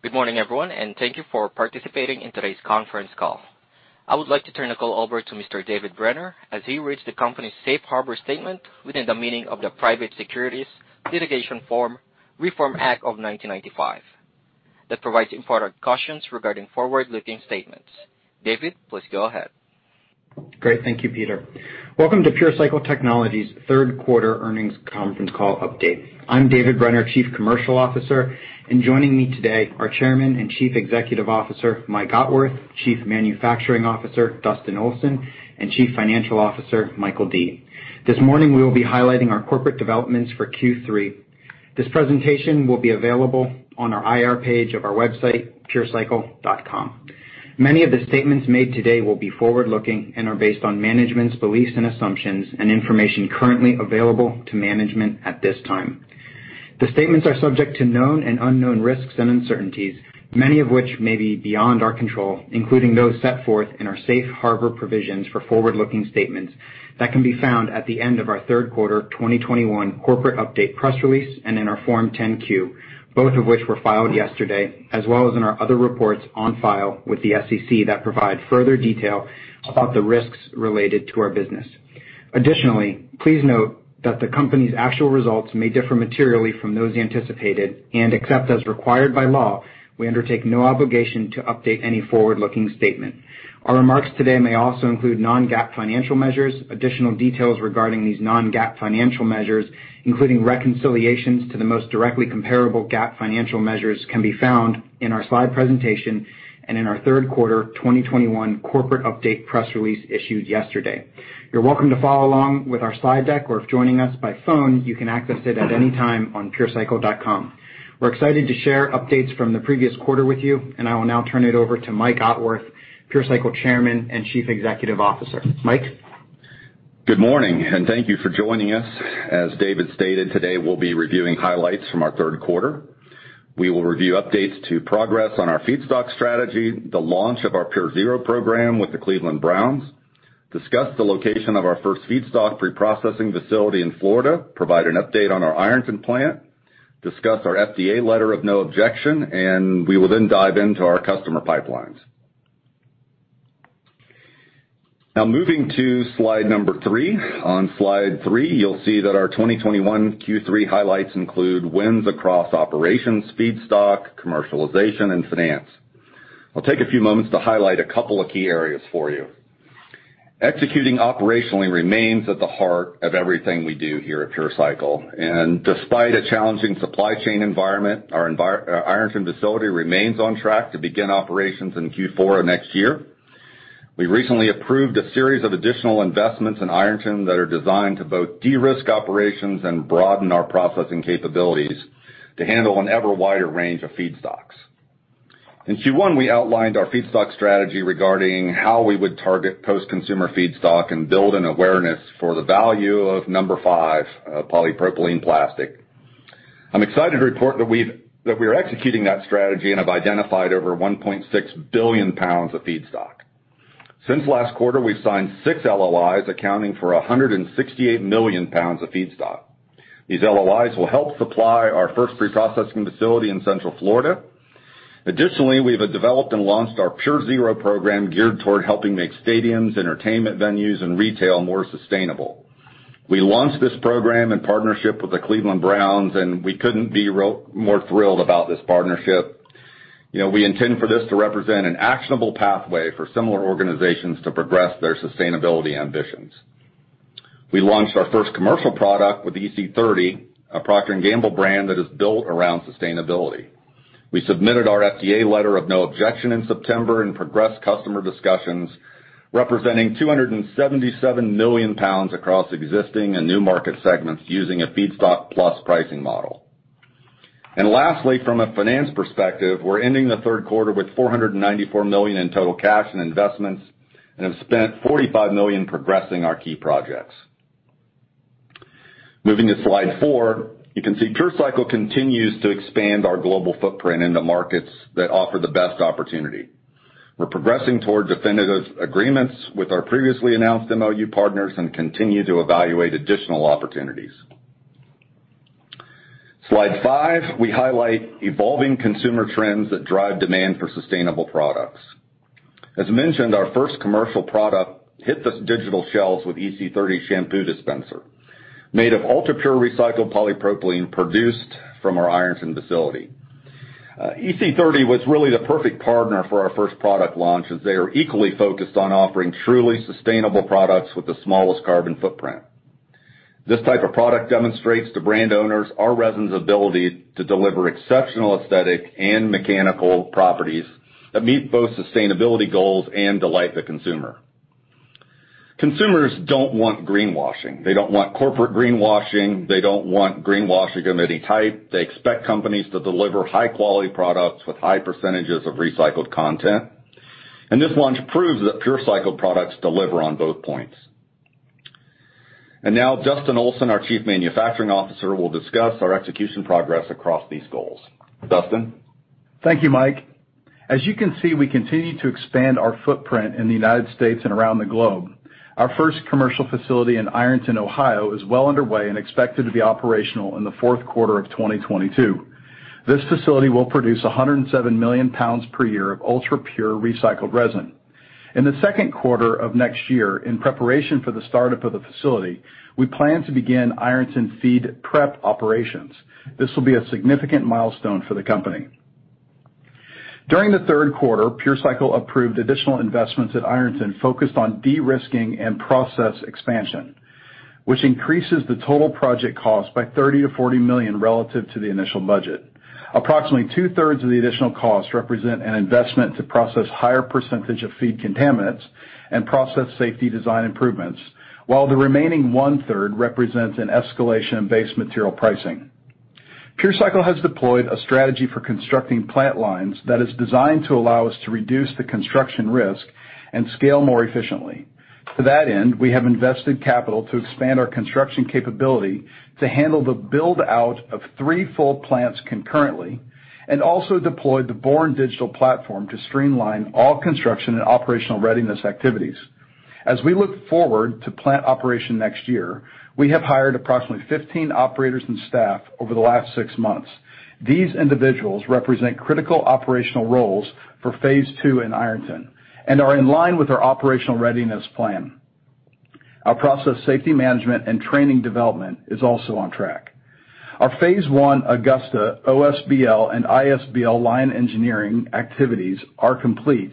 Good morning, everyone, and thank you for participating in today's conference call. I would like to turn the call over to Mr. David Brenner as he reads the company's safe harbor statement within the meaning of the Private Securities Litigation Reform Act of 1995. That provides important cautions regarding forward-looking statements. David, please go ahead. Great. Thank you, Peter. Welcome to PureCycle Technologies third quarter earnings conference call update. I'm David Brenner, Chief Commercial Officer, and joining me today are Chairman and Chief Executive Officer, Mike Otworth, Chief Manufacturing Officer, Dustin Olsen, and Chief Financial Officer, Michael Dee. This morning, we will be highlighting our corporate developments for Q3. This presentation will be available on our IR page of our website, purecycle.com. Many of the statements made today will be forward-looking and are based on management's beliefs and assumptions and information currently available to management at this time. The statements are subject to known and unknown risks and uncertainties, many of which may be beyond our control, including those set forth in our safe harbor provisions for forward-looking statements that can be found at the end of our third quarter 2021 corporate update press release and in our Form 10-Q, both of which were filed yesterday, as well as in our other reports on file with the SEC that provide further detail about the risks related to our business. Additionally, please note that the company's actual results may differ materially from those anticipated, and except as required by law, we undertake no obligation to update any forward-looking statement. Our remarks today may also include non-GAAP financial measures. Additional details regarding these non-GAAP financial measures, including reconciliations to the most directly comparable GAAP financial measures, can be found in our slide presentation and in our third quarter 2021 corporate update press release issued yesterday. You're welcome to follow along with our slide deck, or if joining us by phone, you can access it at any time on purecycle.com. We're excited to share updates from the previous quarter with you, and I will now turn it over to Mike Otworth, PureCycle Chairman and Chief Executive Officer. Mike? Good morning, and thank you for joining us. As David stated, today we'll be reviewing highlights from our third quarter. We will review updates to progress on our feedstock strategy, the launch of our Pure Zero program with the Cleveland Browns, discuss the location of our first feedstock preprocessing facility in Florida, provide an update on our Ironton plant, discuss our FDA letter of no objection, and we will then dive into our customer pipelines. Now moving to slide number three. On slide three, you'll see that our 2021 Q3 highlights include wins across operations, feedstock, commercialization and finance. I'll take a few moments to highlight a couple of key areas for you. Executing operationally remains at the heart of everything we do here at PureCycle, and despite a challenging supply chain environment, our Ironton facility remains on track to begin operations in Q4 of next year. We recently approved a series of additional investments in Ironton that are designed to both de-risk operations and broaden our processing capabilities to handle an ever wider range of feedstocks. In Q1, we outlined our feedstock strategy regarding how we would target post-consumer feedstock and build an awareness for the value of number five polypropylene plastic. I'm excited to report that we are executing that strategy and have identified over 1.6 billion pounds of feedstock. Since last quarter, we've signed six LOIs accounting for 168 million pounds of feedstock. These LOIs will help supply our first preprocessing facility in Central Florida. Additionally, we have developed and launched our PureZero program geared toward helping make stadiums, entertainment venues and retail more sustainable. We launched this program in partnership with the Cleveland Browns, and we couldn't be more thrilled about this partnership. You know, we intend for this to represent an actionable pathway for similar organizations to progress their sustainability ambitions. We launched our first commercial product with EC30, a Procter & Gamble brand that is built around sustainability. We submitted our FDA letter of no objection in September and progressed customer discussions representing 277 million pounds across existing and new market segments using a feedstock plus pricing model. Lastly, from a finance perspective, we're ending the third quarter with $494 million in total cash and investments and have spent $45 million progressing our key projects. Moving to slide four. You can see PureCycle continues to expand our global footprint in the markets that offer the best opportunity. We're progressing toward definitive agreements with our previously announced MOU partners and continue to evaluate additional opportunities. Slide five, we highlight evolving consumer trends that drive demand for sustainable products. As mentioned, our first commercial product hit the digital shelves with EC30 shampoo dispenser, made of ultra-pure recycled polypropylene produced from our Ironton facility. EC30 was really the perfect partner for our first product launch as they are equally focused on offering truly sustainable products with the smallest carbon footprint. This type of product demonstrates to brand owners our resin's ability to deliver exceptional aesthetic and mechanical properties that meet both sustainability goals and delight the consumer. Consumers don't want greenwashing. They don't want corporate greenwashing. They don't want greenwashing of any type. They expect companies to deliver high-quality products with high percentages of recycled content. This launch proves that PureCycle products deliver on both points. Now Dustin Olsen, our Chief Manufacturing Officer, will discuss our execution progress across these goals. Dustin? Thank you, Mike. As you can see, we continue to expand our footprint in the United States and around the globe. Our first commercial facility in Ironton, Ohio, is well underway and expected to be operational in the fourth quarter of 2022. This facility will produce 107 million pounds per year of ultra-pure recycled resin. In the second quarter of next year, in preparation for the startup of the facility, we plan to begin Ironton feed prep operations. This will be a significant milestone for the company. During the third quarter, PureCycle approved additional investments at Ironton focused on de-risking and process expansion, which increases the total project cost by $30 million-$40 million relative to the initial budget. Approximately two-thirds of the additional costs represent an investment to process higher percentage of feed contaminants and process safety design improvements, while the remaining one-third represents an escalation in base material pricing. PureCycle has deployed a strategy for constructing plant lines that is designed to allow us to reduce the construction risk and scale more efficiently. To that end, we have invested capital to expand our construction capability to handle the build-out of three full plants concurrently and also deployed the Born Digital platform to streamline all construction and operational readiness activities. As we look forward to plant operation next year, we have hired approximately 15 operators and staff over the last six months. These individuals represent critical operational roles for phase two in Ironton and are in line with our operational readiness plan. Our process safety management and training development is also on track. Our phase one Augusta OSBL and ISBL line engineering activities are complete,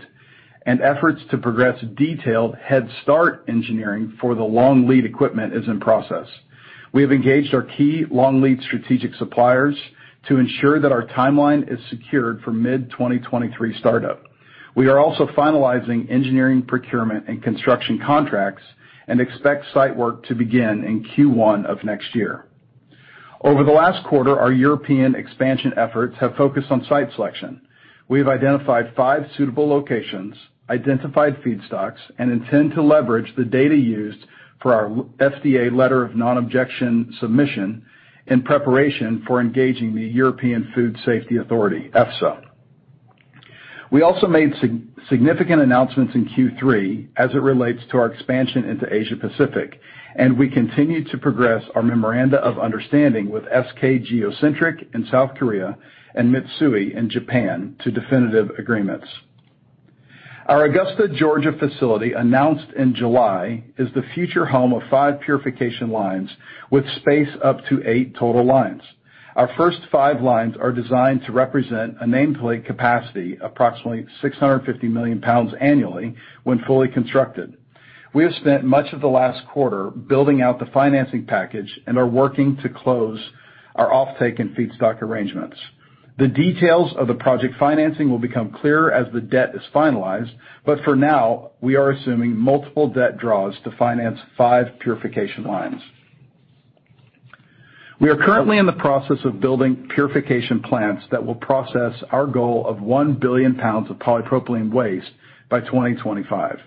and efforts to progress detailed head start engineering for the long lead equipment is in process. We have engaged our key long lead strategic suppliers to ensure that our timeline is secured for mid-2023 startup. We are also finalizing engineering, procurement, and construction contracts and expect site work to begin in Q1 of next year. Over the last quarter, our European expansion efforts have focused on site selection. We have identified five suitable locations, identified feedstocks, and intend to leverage the data used for our FDA no-objection letter submission in preparation for engaging the European Food Safety Authority, EFSA. We also made significant announcements in Q3 as it relates to our expansion into Asia-Pacific, and we continue to progress our memoranda of understanding with SK geo centric in South Korea and Mitsui in Japan to definitive agreements. Our Augusta, Georgia facility announced in July is the future home of five purification lines with space up to eight total lines. Our first five lines are designed to represent a nameplate capacity approximately 650 million pounds annually when fully constructed. We have spent much of the last quarter building out the financing package and are working to close our offtake and feedstock arrangements. The details of the project financing will become clearer as the debt is finalized, but for now, we are assuming multiple debt draws to finance five purification lines. We are currently in the process of building purification plants that will process our goal of 1 billion pounds of polypropylene waste by 2025.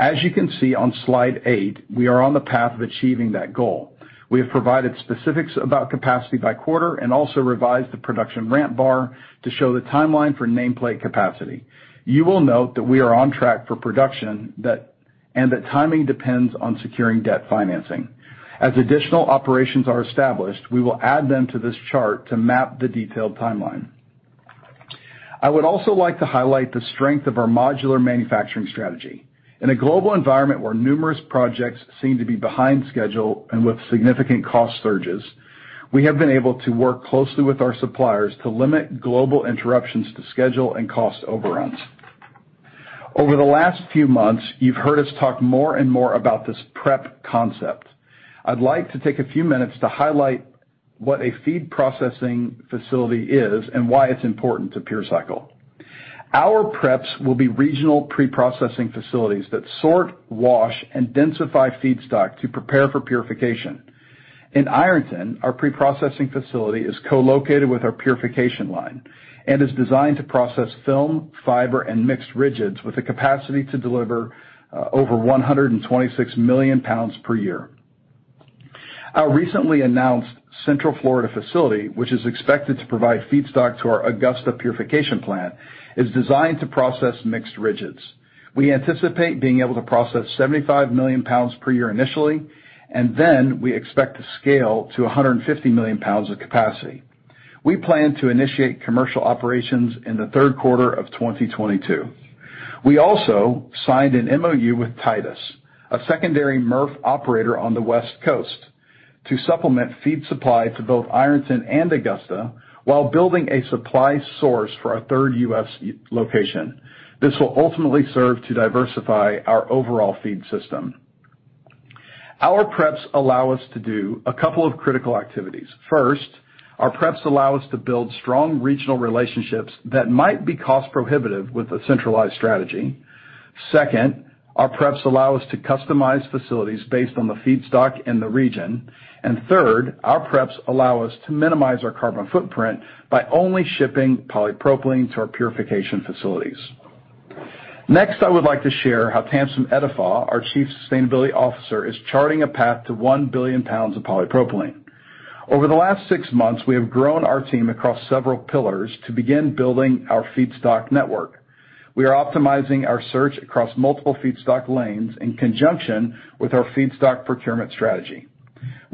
As you can see on slide eight, we are on the path of achieving that goal. We have provided specifics about capacity by quarter and also revised the production ramp bar to show the timeline for nameplate capacity. You will note that we are on track for production, and that timing depends on securing debt financing. As additional operations are established, we will add them to this chart to map the detailed timeline. I would also like to highlight the strength of our modular manufacturing strategy. In a global environment where numerous projects seem to be behind schedule and with significant cost surges, we have been able to work closely with our suppliers to limit global interruptions to schedule and cost overruns. Over the last few months, you've heard us talk more and more about this prep concept. I'd like to take a few minutes to highlight what a feed processing facility is and why it's important to PureCycle. Our preps will be regional preprocessing facilities that sort, wash, and densify feedstock to prepare for purification. In Ironton, our preprocessing facility is co-located with our purification line and is designed to process film, fiber, and mixed rigids with a capacity to deliver over 126 million pounds per year. Our recently announced Central Florida facility, which is expected to provide feedstock to our Augusta purification plant, is designed to process mixed rigids. We anticipate being able to process 75 million pounds per year initially, and then we expect to scale to 150 million pounds of capacity. We plan to initiate commercial operations in the third quarter of 2022. We also signed an MOU with Titus, a secondary MRF operator on the West Coast, to supplement feed supply to both Ironton and Augusta while building a supply source for our third U.S. location. This will ultimately serve to diversify our overall feed system. Our preps allow us to do a couple of critical activities. First, our preps allow us to build strong regional relationships that might be cost prohibitive with a centralized strategy. Second, our preps allow us to customize facilities based on the feedstock in the region. Third, our preps allow us to minimize our carbon footprint by only shipping polypropylene to our purification facilities. Next, I would like to share how Tamsin Ettefagh, our Chief Sustainability Officer, is charting a path to 1 billion pounds of polypropylene. Over the last six months, we have grown our team across several pillars to begin building our feedstock network. We are optimizing our search across multiple feedstock lanes in conjunction with our feedstock procurement strategy.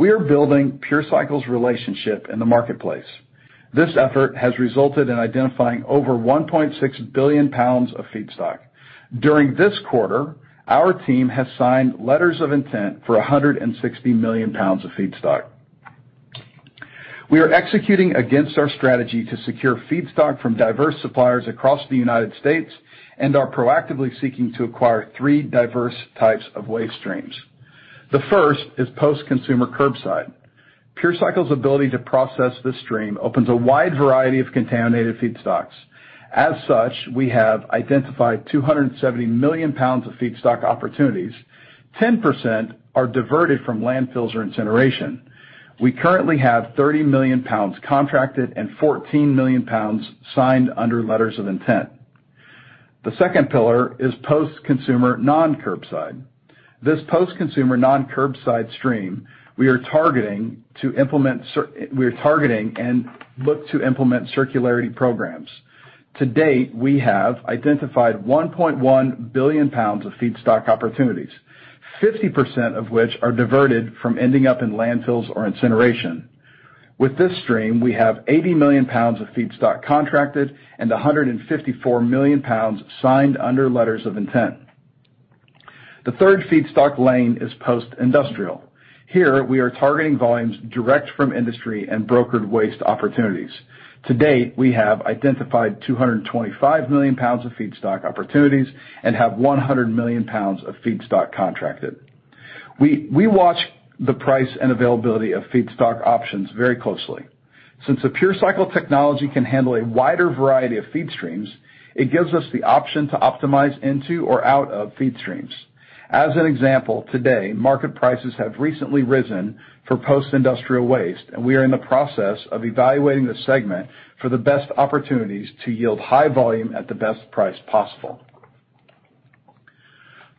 We are building PureCycle's relationship in the marketplace. This effort has resulted in identifying over 1.6 billion pounds of feedstock. During this quarter, our team has signed letters of intent for 160 million pounds of feedstock. We are executing against our strategy to secure feedstock from diverse suppliers across the United States and are proactively seeking to acquire three diverse types of waste streams. The first is post-consumer curbside. PureCycle's ability to process this stream opens a wide variety of contaminated feedstocks. As such, we have identified 270 million pounds of feedstock opportunities. 10% are diverted from landfills or incineration. We currently have 30 million pounds contracted and 14 million pounds signed under letters of intent. The second pillar is post-consumer non-curbside. This post-consumer non-curbside stream. We are targeting and look to implement circularity programs. To date, we have identified 1.1 billion pounds of feedstock opportunities, 50% of which are diverted from ending up in landfills or incineration. With this stream, we have 80 million pounds of feedstock contracted and 154 million pounds signed under letters of intent. The third feedstock lane is post-industrial. Here we are targeting volumes direct from industry and brokered waste opportunities. To date, we have identified 225 million pounds of feedstock opportunities and have 100 million pounds of feedstock contracted. We watch the price and availability of feedstock options very closely. Since the PureCycle technology can handle a wider variety of feed streams, it gives us the option to optimize into or out of feed streams. As an example, today, market prices have recently risen for post-industrial waste, and we are in the process of evaluating the segment for the best opportunities to yield high volume at the best price possible.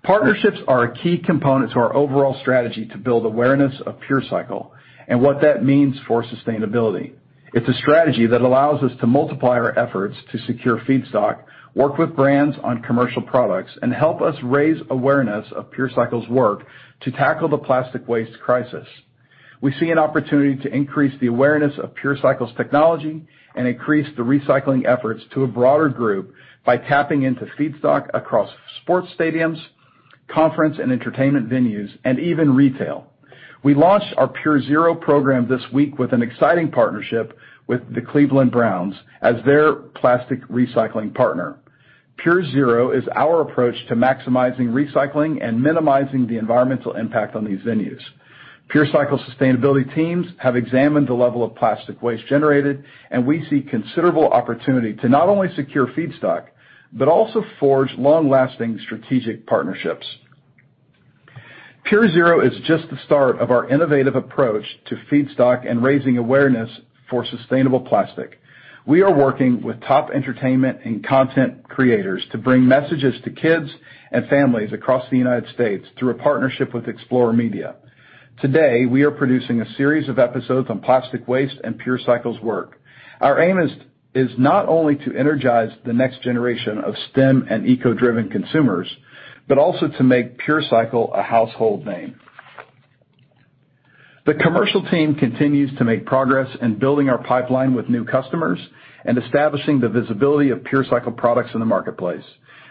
Partnerships are a key component to our overall strategy to build awareness of PureCycle and what that means for sustainability. It's a strategy that allows us to multiply our efforts to secure feedstock, work with brands on commercial products, and help us raise awareness of PureCycle's work to tackle the plastic waste crisis. We see an opportunity to increase the awareness of PureCycle's technology and increase the recycling efforts to a broader group by tapping into feedstock across sports stadiums, conference and entertainment venues, and even retail. We launched our PureZero program this week with an exciting partnership with the Cleveland Browns as their plastic recycling partner. PureZero is our approach to maximizing recycling and minimizing the environmental impact on these venues. PureCycle sustainability teams have examined the level of plastic waste generated, and we see considerable opportunity to not only secure feedstock, but also forge long-lasting strategic partnerships. PureZero is just the start of our innovative approach to feedstock and raising awareness for sustainable plastic. We are working with top entertainment and content creators to bring messages to kids and families across the United States through a partnership with EXPLR Media. Today, we are producing a series of episodes on plastic waste and PureCycle's work. Our aim is not only to energize the next generation of STEM and eco-driven consumers, but also to make PureCycle a household name. The commercial team continues to make progress in building our pipeline with new customers and establishing the visibility of PureCycle products in the marketplace.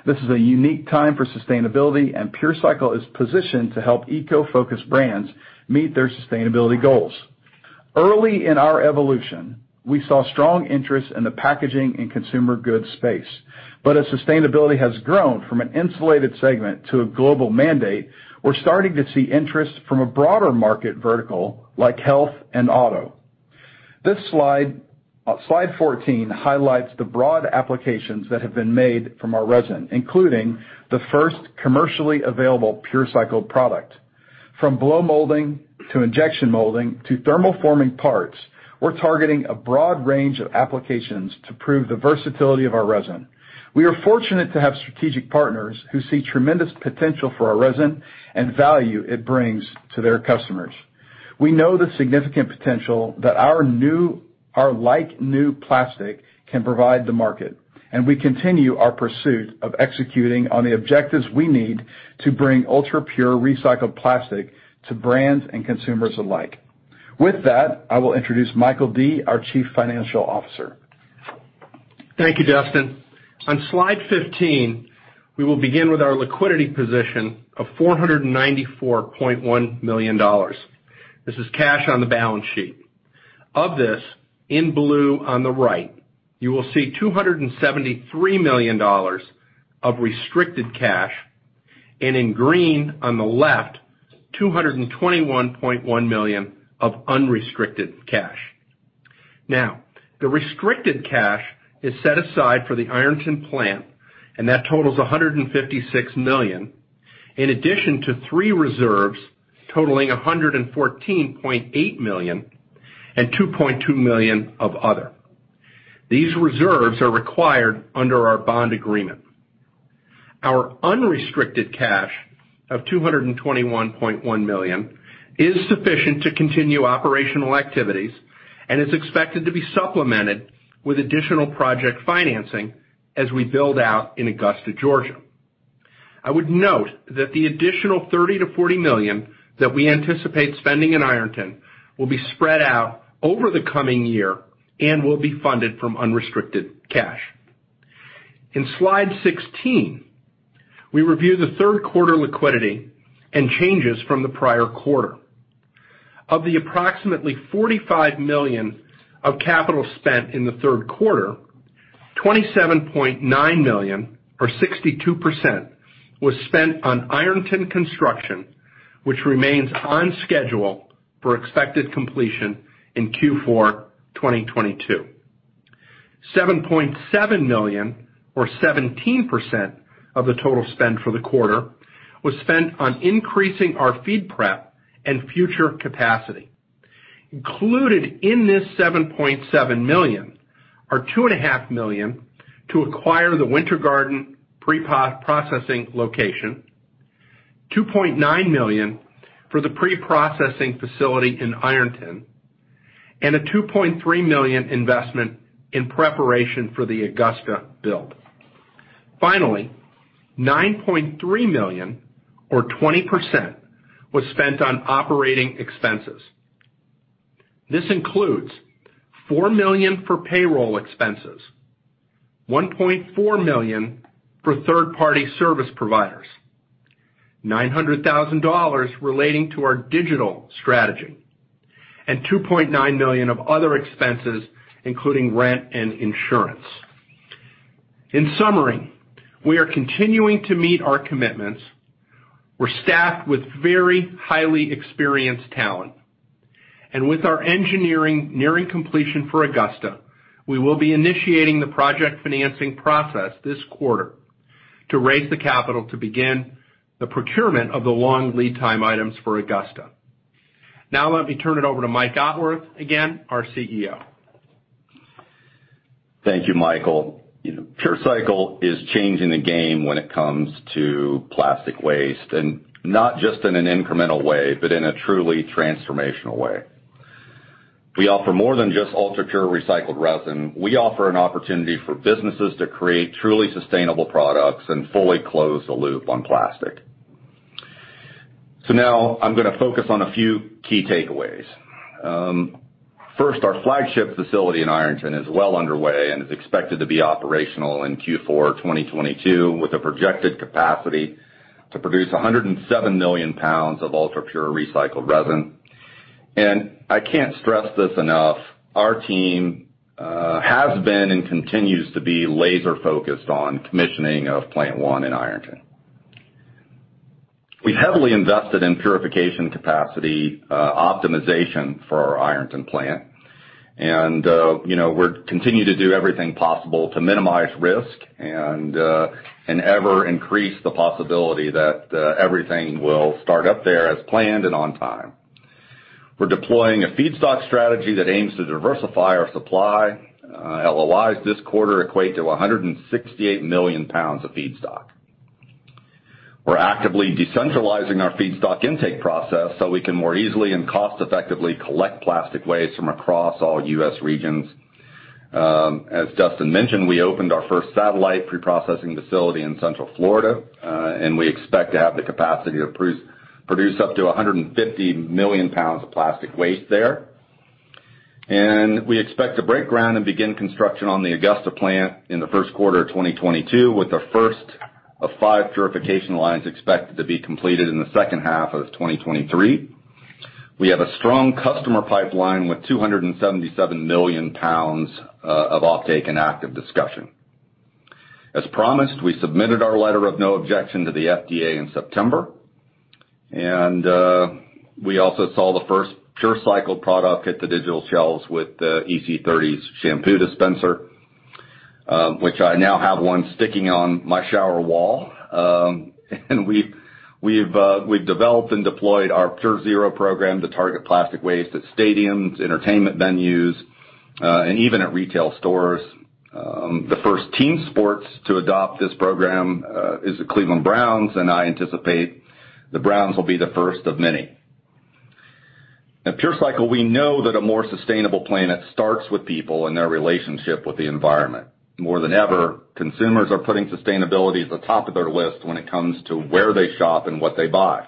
This is a unique time for sustainability, and PureCycle is positioned to help eco-focused brands meet their sustainability goals. Early in our evolution, we saw strong interest in the packaging and consumer goods space. As sustainability has grown from an insulated segment to a global mandate, we're starting to see interest from a broader market vertical, like health and auto. This slide 14 highlights the broad applications that have been made from our resin, including the first commercially available PureCycle product. From blow molding to injection molding to thermoforming parts, we're targeting a broad range of applications to prove the versatility of our resin. We are fortunate to have strategic partners who see tremendous potential for our resin and value it brings to their customers. We know the significant potential that our like-new plastic can provide the market, and we continue our pursuit of executing on the objectives we need to bring ultra-pure recycled plastic to brands and consumers alike. With that, I will introduce Michael Dee, our Chief Financial Officer. Thank you, Dustin. On slide 15, we will begin with our liquidity position of $494.1 million. This is cash on the balance sheet. Of this, in blue on the right, you will see $273 million of restricted cash, and in green on the left, $221.1 million of unrestricted cash. Now, the restricted cash is set aside for the Ironton plant, and that totals $156 million, in addition to three reserves totaling $114.8 million and $2.2 million of other. These reserves are required under our bond agreement. Our unrestricted cash of $221.1 million is sufficient to continue operational activities and is expected to be supplemented with additional project financing as we build out in Augusta, Georgia. I would note that the additional $30-$40 million that we anticipate spending in Ironton will be spread out over the coming year and will be funded from unrestricted cash. In slide 16, we review the third quarter liquidity and changes from the prior quarter. Of the approximately $45 million of capital spent in the third quarter, $27.9 million, or 62%, was spent on Ironton construction, which remains on schedule for expected completion in Q4 2022. $7.7 million, or 17% of the total spend for the quarter, was spent on increasing our feed prep and future capacity. Included in this $7.7 million are $2.5 million to acquire the Winter Garden pre-proc processing location, $2.9 million for the pre-processing facility in Ironton, and a $2.3 million investment in preparation for the Augusta build. Finally, $9.3 million, or 20%, was spent on operating expenses. This includes $4 million for payroll expenses, $1.4 million for third-party service providers, $900,000 relating to our digital strategy, and $2.9 million of other expenses, including rent and insurance. In summary, we are continuing to meet our commitments. We're staffed with very highly experienced talent. With our engineering nearing completion for Augusta, we will be initiating the project financing process this quarter to raise the capital to begin the procurement of the long lead time items for Augusta. Now let me turn it over to Mike Otworth again, our CEO. Thank you, Michael. You know, PureCycle is changing the game when it comes to plastic waste, and not just in an incremental way, but in a truly transformational way. We offer more than just ultra-pure recycled resin. We offer an opportunity for businesses to create truly sustainable products and fully close the loop on plastic. Now I'm gonna focus on a few key takeaways. First, our flagship facility in Ironton is well underway and is expected to be operational in Q4 2022, with a projected capacity to produce 107 million pounds of ultra-pure recycled resin. I can't stress this enough, our team has been and continues to be laser-focused on commissioning of plant one in Ironton. We heavily invested in purification capacity, optimization for our Ironton plant. You know, we're continuing to do everything possible to minimize risk and ever increase the possibility that everything will start up there as planned and on time. We're deploying a feedstock strategy that aims to diversify our supply. LOIs this quarter equate to 168 million pounds of feedstock. We're actively decentralizing our feedstock intake process so we can more easily and cost-effectively collect plastic waste from across all U.S. regions. As Dustin mentioned, we opened our first satellite pre-processing facility in Central Florida, and we expect to have the capacity to produce up to 150 million pounds of plastic waste there. We expect to break ground and begin construction on the Augusta plant in the first quarter of 2022, with the first of five purification lines expected to be completed in the second half of 2023. We have a strong customer pipeline with 277 million pounds of offtake and active discussion. As promised, we submitted our letter of no objection to the FDA in September. We also saw the first PureCycle product hit the digital shelves with EC30's shampoo dispenser, which I now have one sticking on my shower wall. We've developed and deployed our PureZero program to target plastic waste at stadiums, entertainment venues, and even at retail stores. The first team sports to adopt this program is the Cleveland Browns, and I anticipate the Browns will be the first of many. At PureCycle, we know that a more sustainable planet starts with people and their relationship with the environment. More than ever, consumers are putting sustainability at the top of their list when it comes to where they shop and what they buy.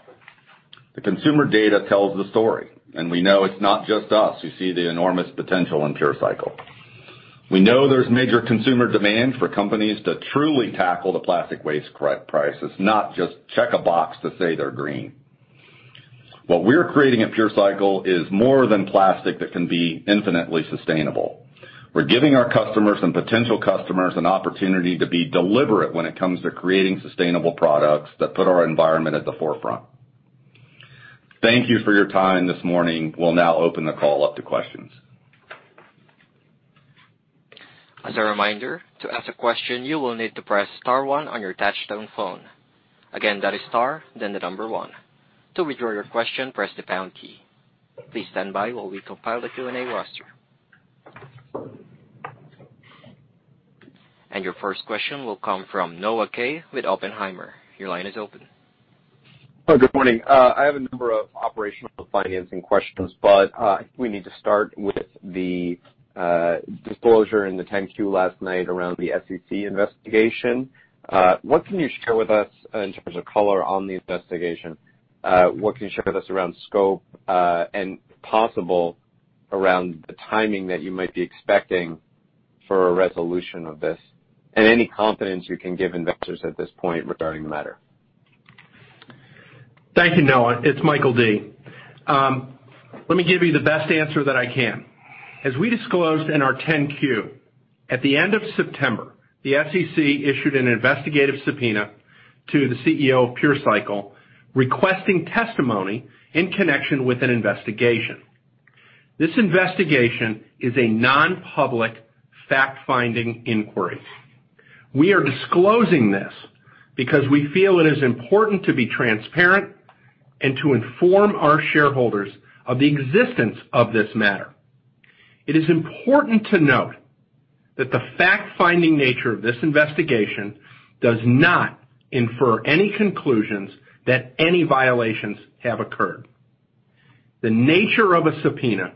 The consumer data tells the story, and we know it's not just us who see the enormous potential in PureCycle. We know there's major consumer demand for companies to truly tackle the plastic waste crisis, not just check a box to say they're green. What we're creating at PureCycle is more than plastic that can be infinitely sustainable. We're giving our customers and potential customers an opportunity to be deliberate when it comes to creating sustainable products that put our environment at the forefront. Thank you for your time this morning. We'll now open the call up to questions. As a reminder, to ask a question, you will need to press star one on your touch-tone phone. Again, that is star, then the number one. To withdraw your question, press the pound key. Please stand by while we compile the Q&A roster. Your first question will come from Noah Kaye with Oppenheimer. Your line is open. Oh, good morning. I have a number of operational financing questions, but we need to start with the disclosure in the 10-Q last night around the SEC investigation. What can you share with us in terms of color on the investigation? What can you share with us around scope, and possible around the timing that you might be expecting for a resolution of this and any confidence you can give investors at this point regarding the matter? Thank you, Noah. It's Michael Dee. Let me give you the best answer that I can. As we disclosed in our 10-Q, at the end of September, the SEC issued an investigative subpoena to the CEO of PureCycle requesting testimony in connection with an investigation. This investigation is a non-public fact-finding inquiry. We are disclosing this because we feel it is important to be transparent and to inform our shareholders of the existence of this matter. It is important to note that the fact-finding nature of this investigation does not infer any conclusions that any violations have occurred. The nature of a subpoena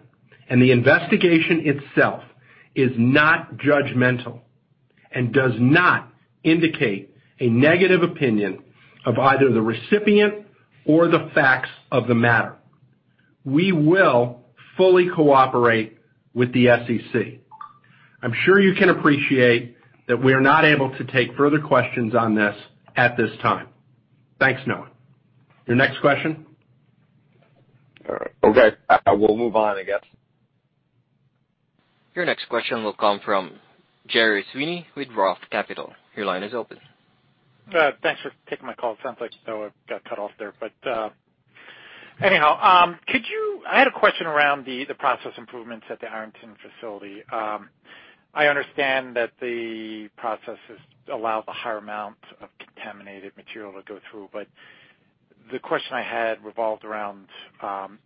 and the investigation itself is not judgmental and does not indicate a negative opinion of either the recipient or the facts of the matter. We will fully cooperate with the SEC. I'm sure you can appreciate that we are not able to take further questions on this at this time. Thanks, Noah. The next question. All right. Okay. I will move on, I guess. Your next question will come from Gerry Sweeney with Roth Capital. Your line is open. Thanks for taking my call. Sounds like Noah got cut off there. Anyhow, I had a question around the process improvements at the Ironton facility. I understand that the processes allow a higher amount of contaminated material to go through, but the question I had revolved around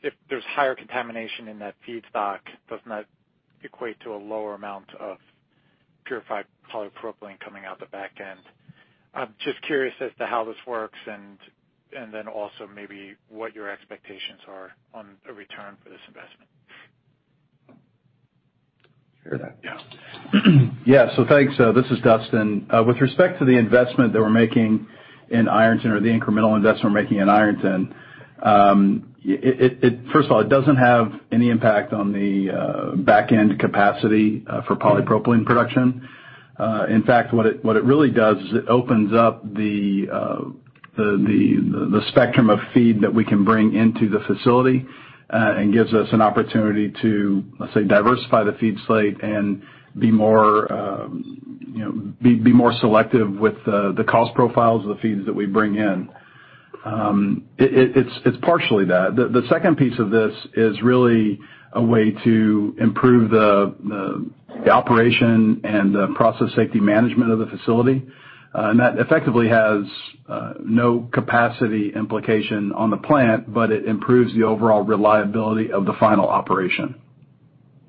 if there's higher contamination in that feedstock, does not equate to a lower amount of purified polypropylene coming out the back end. I'm just curious as to how this works and then also maybe what your expectations are on a return for this investment. Sure. Yeah. Yeah. Thanks. This is Dustin. With respect to the investment that we're making in Ironton or the incremental investment we're making in Ironton, first of all, it doesn't have any impact on the back-end capacity for polypropylene production. In fact, what it really does is it opens up the spectrum of feed that we can bring into the facility, and gives us an opportunity to, let's say, diversify the feed slate and be more, you know, selective with the cost profiles of the feeds that we bring in. It's partially that. The second piece of this is really a way to improve the operation and the process safety management of the facility. That effectively has no capacity implication on the plant, but it improves the overall reliability of the final operation.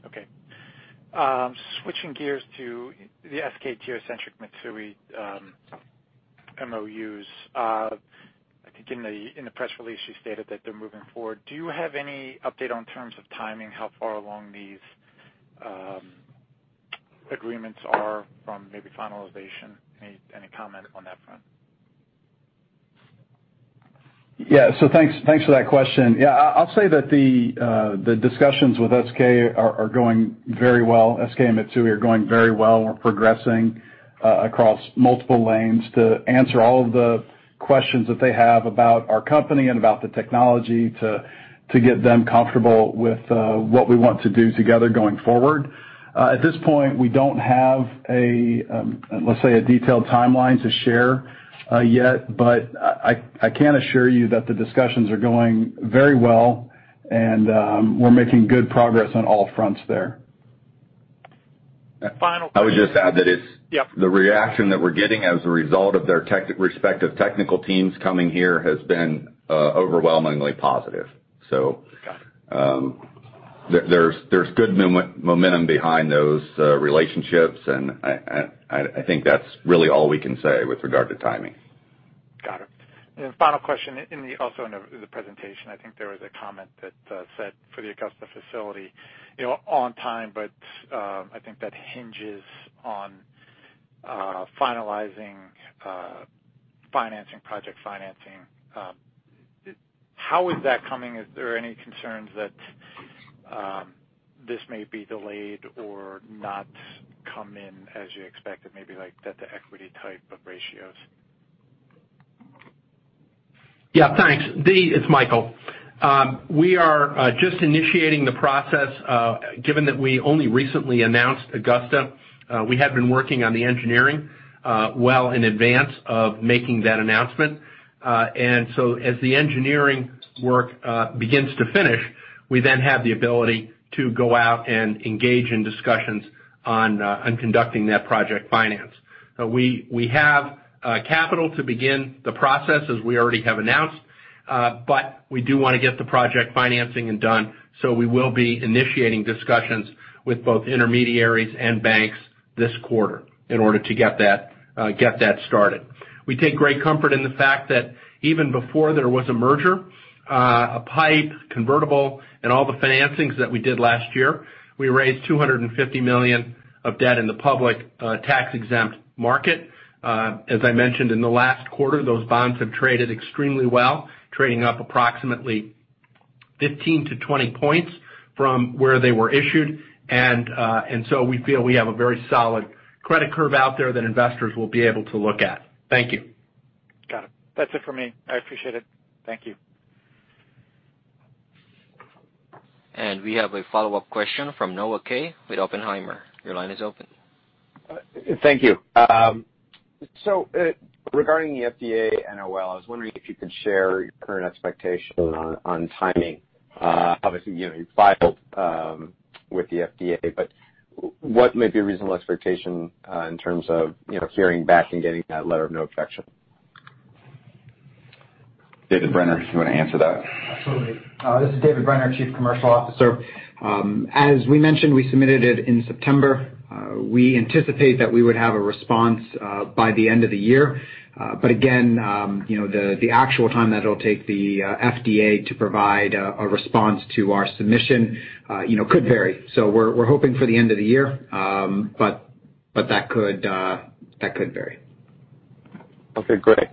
Okay. Switching gears to the SK geo centric Mitsui MOUs. I think in the press release, you stated that they're moving forward. Do you have any update on terms of timing, how far along these agreements are from maybe finalization? Any comment on that front? Yeah. Thanks for that question. Yeah. I'll say that the discussions with SK are going very well. SK and Mitsui are going very well. We're progressing across multiple lanes to answer all of the questions that they have about our company and about the technology to get them comfortable with what we want to do together going forward. At this point, we don't have a, let's say, a detailed timeline to share yet, but I can assure you that the discussions are going very well and we're making good progress on all fronts there. Final- I would just add that it's. Yeah. The reaction that we're getting as a result of their respective technical teams coming here has been overwhelmingly positive. There's good momentum behind those relationships. I think that's really all we can say with regard to timing. Got it. Final question. Also in the presentation, I think there was a comment that said for the Augusta facility, you know, on time, but I think that hinges on finalizing financing, project financing. How is that coming? Is there any concerns that this may be delayed or not come in as you expected? Maybe like debt-to-equity type of ratios. Yeah, thanks. Dee, it's Michael. We are just initiating the process. Given that we only recently announced Augusta, we have been working on the engineering well in advance of making that announcement. As the engineering work begins to finish, we then have the ability to go out and engage in discussions on conducting that project finance. We have capital to begin the process as we already have announced, but we do wanna get the project financing and done, so we will be initiating discussions with both intermediaries and banks this quarter in order to get that started. We take great comfort in the fact that even before there was a merger, PIPE convertible and all the financings that we did last year, we raised $250 million of debt in the public tax-exempt market. As I mentioned in the last quarter, those bonds have traded extremely well, trading up approximately 15-20 points from where they were issued. We feel we have a very solid credit curve out there that investors will be able to look at. Thank you. Got it. That's it for me. I appreciate it. Thank you. We have a follow-up question from Noah Kaye with Oppenheimer. Your line is open. Thank you. Regarding the FDA NOL, I was wondering if you could share your current expectation on timing. Obviously, you know, you filed with the FDA, but what might be a reasonable expectation in terms of, you know, hearing back and getting that letter of no objection? David Brenner, do you wanna answer that? Absolutely. This is David Brenner, Chief Commercial Officer. As we mentioned, we submitted it in September. We anticipate that we would have a response by the end of the year. But again, you know, the actual time that it'll take the FDA to provide a response to our submission, you know, could vary. We're hoping for the end of the year, but that could vary. Okay, great.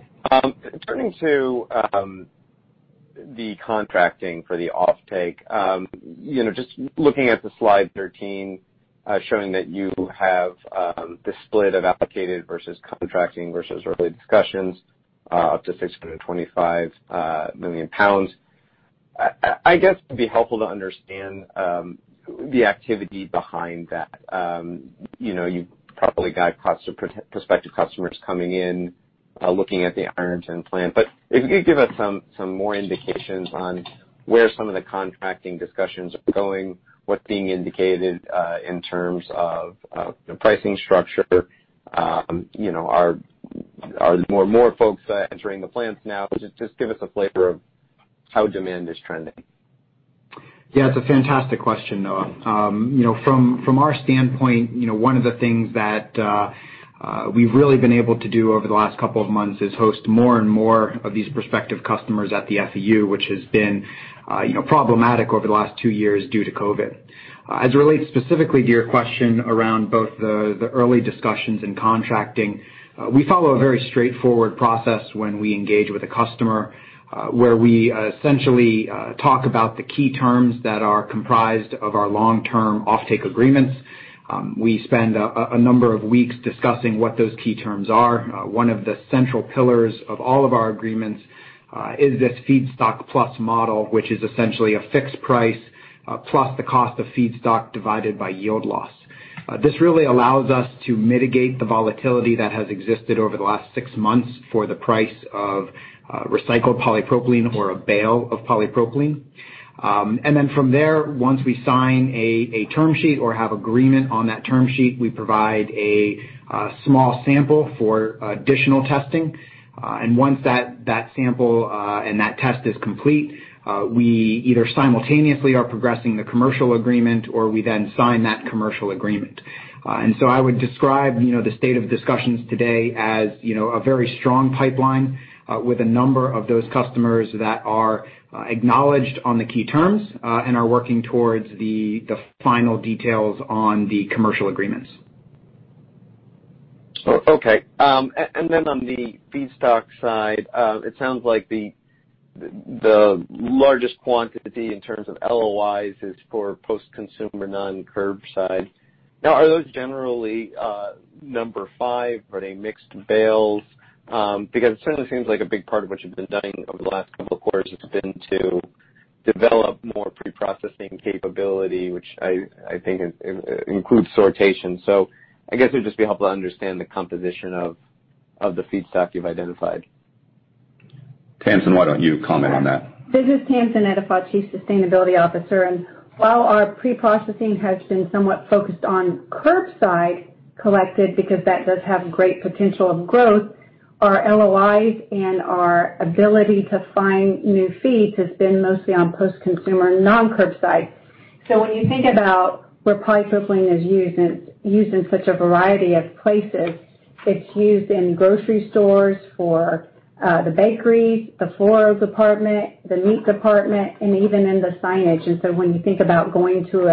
Turning to the contracting for the offtake, you know, just looking at the slide 1three, showing that you have the split of allocated versus contracting versus early discussions, up to 625 million pounds. I guess it'd be helpful to understand the activity behind that. You know, you've probably got prospective customers coming in, looking at the Ironton plant. If you could give us some more indications on where some of the contracting discussions are going, what's being indicated in terms of the pricing structure, you know, are more folks entering the plants now? Just give us a flavor of how demand is trending. Yeah, it's a fantastic question, Noah. You know, from our standpoint, you know, one of the things that we've really been able to do over the last couple of months is host more and more of these prospective customers at the FEU, which has been problematic over the last two years due to COVID. As it relates specifically to your question around both the early discussions and contracting, we follow a very straightforward process when we engage with a customer, where we essentially talk about the key terms that are comprised of our long-term offtake agreements. We spend a number of weeks discussing what those key terms are. One of the central pillars of all of our agreements is this feedstock plus model, which is essentially a fixed price plus the cost of feedstock divided by yield loss. This really allows us to mitigate the volatility that has existed over the last six months for the price of recycled polypropylene or a bale of polypropylene. Then from there, once we sign a term sheet or have agreement on that term sheet, we provide a small sample for additional testing. Once that sample and that test is complete, we either simultaneously are progressing the commercial agreement or we then sign that commercial agreement. I would describe, you know, the state of discussions today as, you know, a very strong pipeline with a number of those customers that are acknowledged on the key terms and are working towards the final details on the commercial agreements. Okay. On the feedstock side, it sounds like the largest quantity in terms of LOIs is for post-consumer non-curbside. Now, are those generally number five or any mixed bales? Because it certainly seems like a big part of what you've been doing over the last couple of quarters has been to develop more preprocessing capability, which I think includes sortation. I guess it'd just be helpful to understand the composition of the feedstock you've identified. Tamsin, why don't you comment on that? This is Tamsin Atefa, Chief Sustainability Officer. While our preprocessing has been somewhat focused on curbside collected because that does have great potential of growth, our LOIs and our ability to find new feeds has been mostly on post-consumer non-curbside. When you think about where polypropylene is used, and it's used in such a variety of places, it's used in grocery stores for the bakery, the floral department, the meat department, and even in the signage. When you think about going to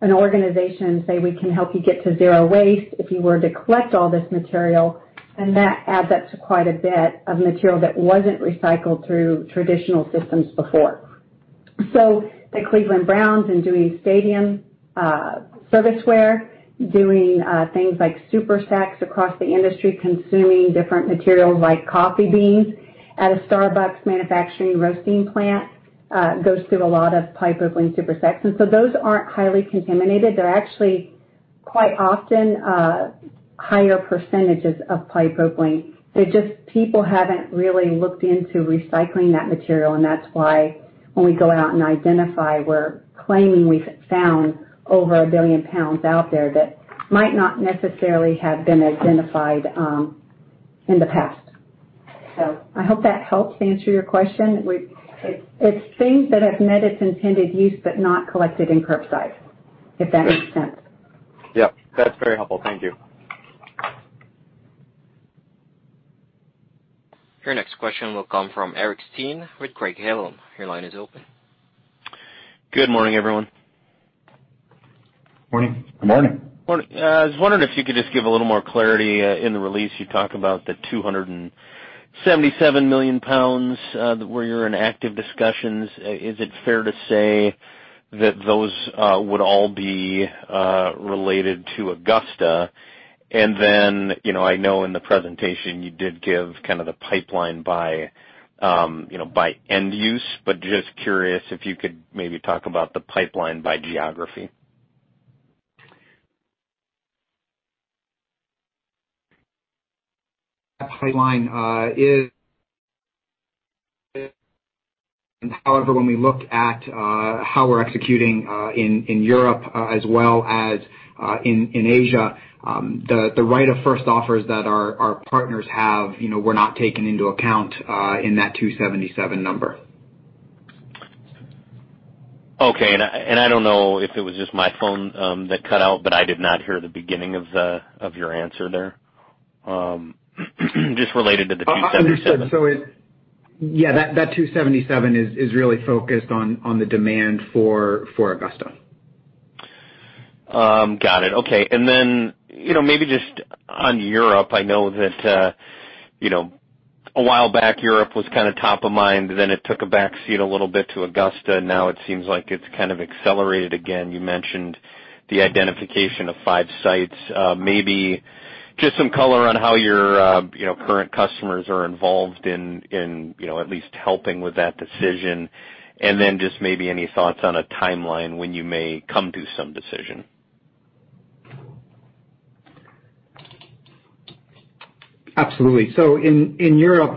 an organization, say we can help you get to zero waste, if you were to collect all this material, then that adds up to quite a bit of material that wasn't recycled through traditional systems before. The Cleveland Browns in doing stadium serviceware doing things like super sacks across the industry consuming different materials like coffee beans at a Starbucks manufacturing roasting plant goes through a lot of polypropylene super sacks. Those aren't highly contaminated. They're actually quite often higher percentages of polypropylene. They're just people haven't really looked into recycling that material, and that's why when we go out and identify, we're claiming we found over 1 billion pounds out there that might not necessarily have been identified in the past. I hope that helps answer your question. It's things that have met its intended use, but not collected in curbside, if that makes sense. Yeah, that's very helpful. Thank you. Your next question will come from Eric Steen with Craig-Hallum. Your line is open. Good morning, everyone. Morning. Good morning. I was wondering if you could just give a little more clarity, in the release, you talk about the 277 million pounds, where you're in active discussions. Is it fair to say that those would all be related to Augusta? And then, you know, I know in the presentation you did give kind of the pipeline by, you know, by end use, but just curious if you could maybe talk about the pipeline by geography. However, when we look at how we're executing in Europe as well as in Asia, the right of first offers that our partners have, you know, were not taken into account in that 277 number. Okay. I don't know if it was just my phone that cut out, but I did not hear the beginning of your answer there. Just related to the 277. Understood. That 277 is really focused on the demand for Augusta. Got it. Okay. You know, maybe just on Europe, I know that, you know, a while back Europe was kinda top of mind, then it took a back seat a little bit to Augusta. Now it seems like it's kind of accelerated again. You mentioned the identification of five sites. Maybe just some color on how your, you know, current customers are involved in, you know, at least helping with that decision. Just maybe any thoughts on a timeline when you may come to some decision. Absolutely. In Europe,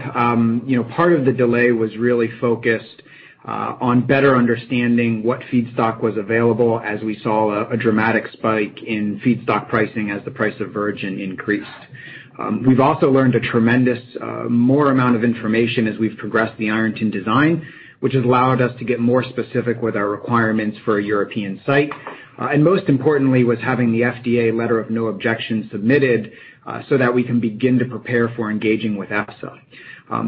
you know, part of the delay was really focused on better understanding what feedstock was available as we saw a dramatic spike in feedstock pricing as the price of virgin increased. We've also learned a tremendous more amount of information as we've progressed the Ironton design, which has allowed us to get more specific with our requirements for a European site. Most importantly was having the FDA No Objection Letter submitted, so that we can begin to prepare for engaging with EFSA.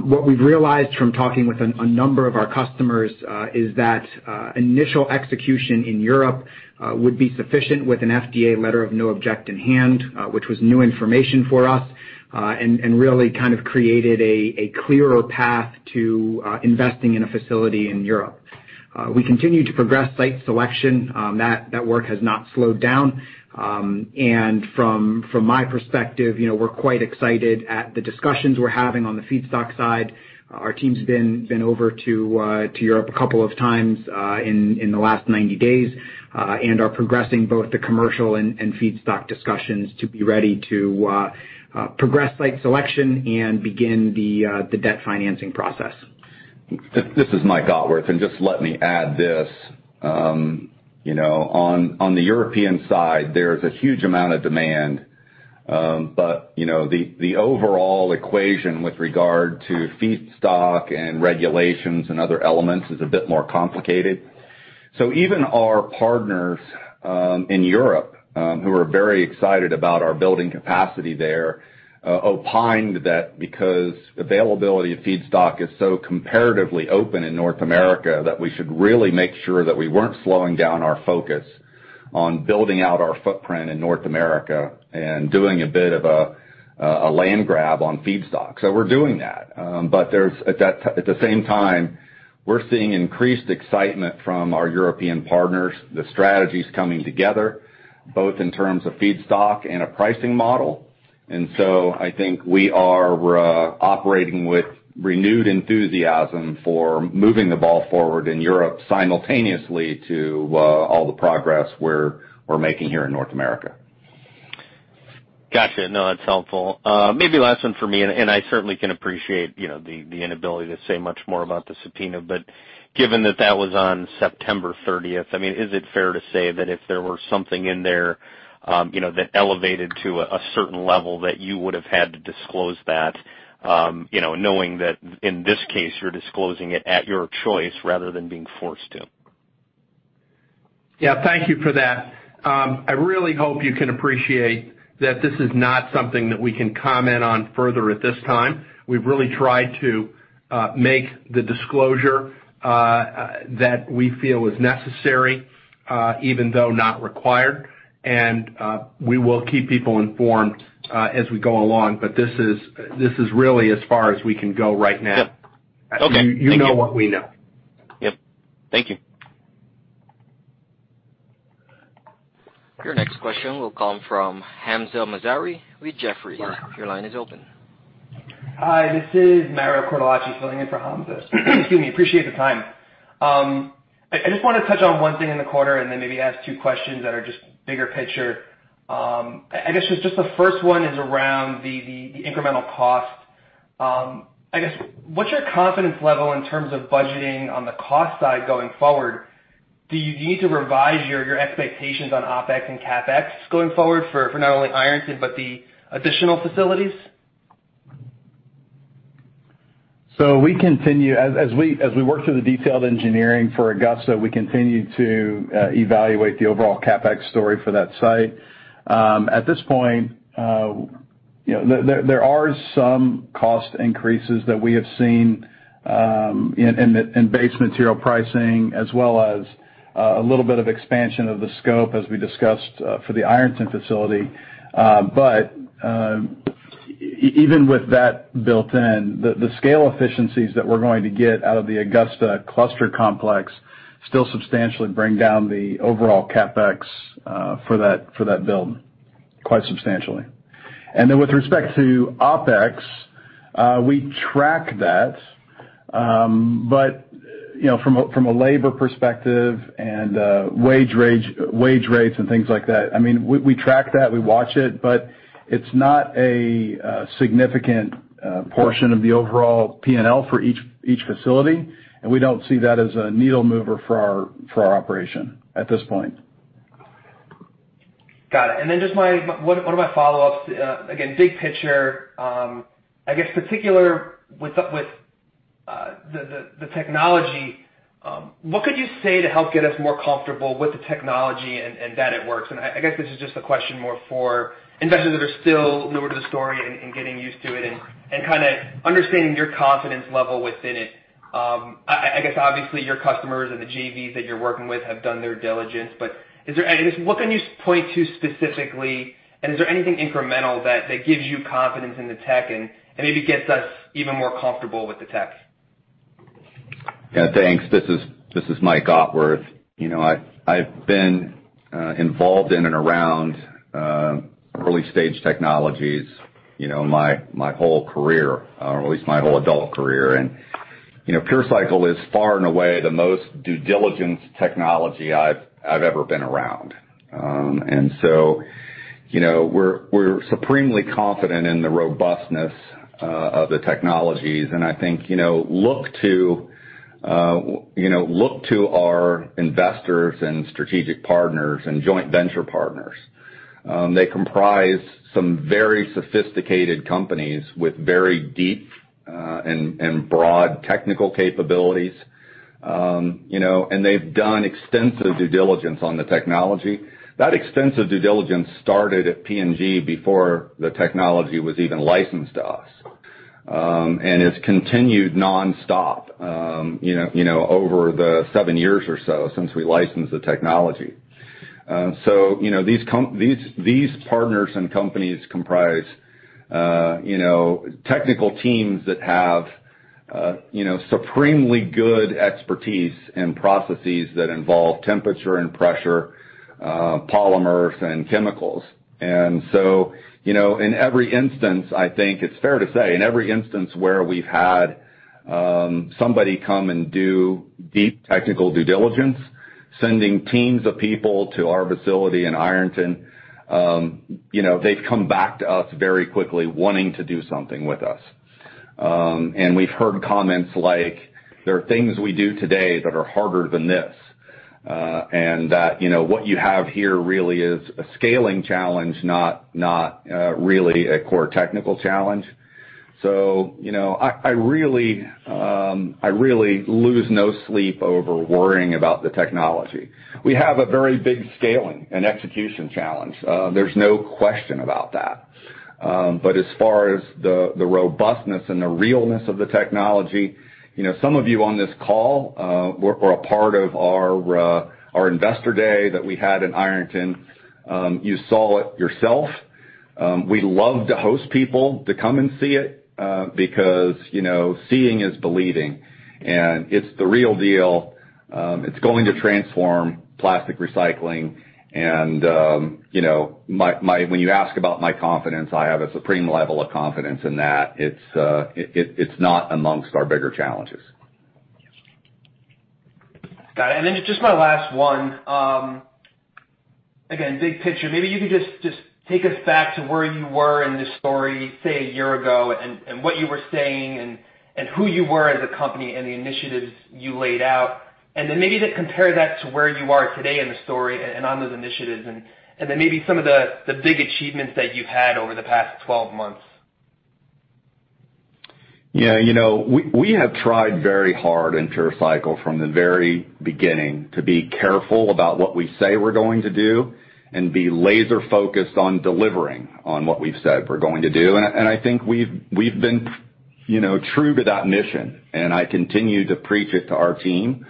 What we've realized from talking with a number of our customers is that initial execution in Europe would be sufficient with an FDA No Objection Letter in hand, which was new information for us, and really kind of created a clearer path to investing in a facility in Europe. We continue to progress site selection. That work has not slowed down. From my perspective, you know, we're quite excited at the discussions we're having on the feedstock side. Our team's been over to Europe a couple of times in the last 90 days, and are progressing both the commercial and feedstock discussions to be ready to progress site selection and begin the debt financing process. This is Mike Otworth, and just let me add this. You know, on the European side, there's a huge amount of demand, but you know, the overall equation with regard to feedstock and regulations and other elements is a bit more complicated. Even our partners in Europe, who are very excited about our building capacity there, opined that because availability of feedstock is so comparatively open in North America, that we should really make sure that we weren't slowing down our focus on building out our footprint in North America and doing a bit of a land grab on feedstock. We're doing that. But at the same time, we're seeing increased excitement from our European partners, the strategies coming together, both in terms of feedstock and a pricing model. I think we are operating with renewed enthusiasm for moving the ball forward in Europe simultaneously to all the progress we're making here in North America. Gotcha. No, that's helpful. Maybe last one for me, and I certainly can appreciate, you know, the inability to say much more about the subpoena, but given that that was on September thirtieth, I mean, is it fair to say that if there were something in there, you know, that elevated to a certain level that you would have had to disclose that, you know, knowing that in this case, you're disclosing it at your choice rather than being forced to? Yeah, thank you for that. I really hope you can appreciate that this is not something that we can comment on further at this time. We've really tried to make the disclosure that we feel is necessary, even though not required. We will keep people informed as we go along. This is really as far as we can go right now. Yep. Okay. Thank you. You know what we know. Yep. Thank you. Your next question will come from Hamza Mazari with Jefferies. Your line is open. Hi, this is Mario Cortellacci filling in for Hamza. Excuse me. I appreciate the time. I just wanna touch on one thing in the quarter and then maybe ask two questions that are just bigger picture. I guess just the first one is around the incremental cost. I guess what's your confidence level in terms of budgeting on the cost side going forward? Do you need to revise your expectations on OpEx and CapEx going forward for not only Ironton but the additional facilities? As we work through the detailed engineering for Augusta, we continue to evaluate the overall CapEx story for that site. At this point, you know, there are some cost increases that we have seen in base material pricing as well as a little bit of expansion of the scope as we discussed for the Ironton facility. Even with that built in, the scale efficiencies that we're going to get out of the Augusta cluster complex still substantially bring down the overall CapEx for that build quite substantially. With respect to OpEx, we track that, but you know, from a labor perspective and wage rates and things like that, I mean, we track that, we watch it, but it's not a significant portion of the overall P&L for each facility, and we don't see that as a needle mover for our operation at this point. Got it. Then just one of my follow-ups, again, big picture, I guess particularly with the technology, what could you say to help get us more comfortable with the technology and that it works? I guess this is just a question more for investors that are still newer to the story and getting used to it and kinda understanding your confidence level within it. I guess obviously your customers or the JV that you're working with have done their diligence, but I mean, what can you point to specifically, and is there anything incremental that gives you confidence in the tech and maybe gets us even more comfortable with the tech? Yeah, thanks. This is Mike Otworth. You know, I've been involved in and around early stage technologies, you know, my whole career, or at least my whole adult career. PureCycle is far and away the most due diligence technology I've ever been around. We're supremely confident in the robustness of the technologies. I think, you know, look to our investors and strategic partners and joint venture partners. They comprise some very sophisticated companies with very deep and broad technical capabilities. You know, they've done extensive due diligence on the technology. That extensive due diligence started at P&G before the technology was even licensed to us, and it's continued nonstop, you know, over the seven years or so since we licensed the technology. You know, these partners and companies comprise, you know, technical teams that have, you know, supremely good expertise in processes that involve temperature and pressure, polymers and chemicals. You know, in every instance, I think it's fair to say, in every instance where we've had, somebody come and do deep technical due diligence, sending teams of people to our facility in Ironton, you know, they've come back to us very quickly wanting to do something with us. We've heard comments like, "There are things we do today that are harder than this," and that, you know, what you have here really is a scaling challenge not really a core technical challenge. You know, I really lose no sleep over worrying about the technology. We have a very big scaling and execution challenge. There's no question about that. As far as the robustness and the realness of the technology, you know, some of you on this call were a part of our investor day that we had in Ironton. You saw it yourself. We love to host people to come and see it, because, you know, seeing is believing, and it's the real deal. It's going to transform plastic recycling and, you know, when you ask about my confidence, I have a supreme level of confidence in that. It's not among our bigger challenges. Got it. Just my last one. Again, big picture, maybe you could just take us back to where you were in this story, say, a year ago, and what you were saying and who you were as a company and the initiatives you laid out. Maybe just compare that to where you are today in the story and on those initiatives and then maybe some of the big achievements that you've had over the past 12 months? Yeah, you know, we have tried very hard in PureCycle from the very beginning to be careful about what we say we're going to do and be laser focused on delivering on what we've said we're going to do. I think we've been, you know, true to that mission, and I continue to preach it to our team.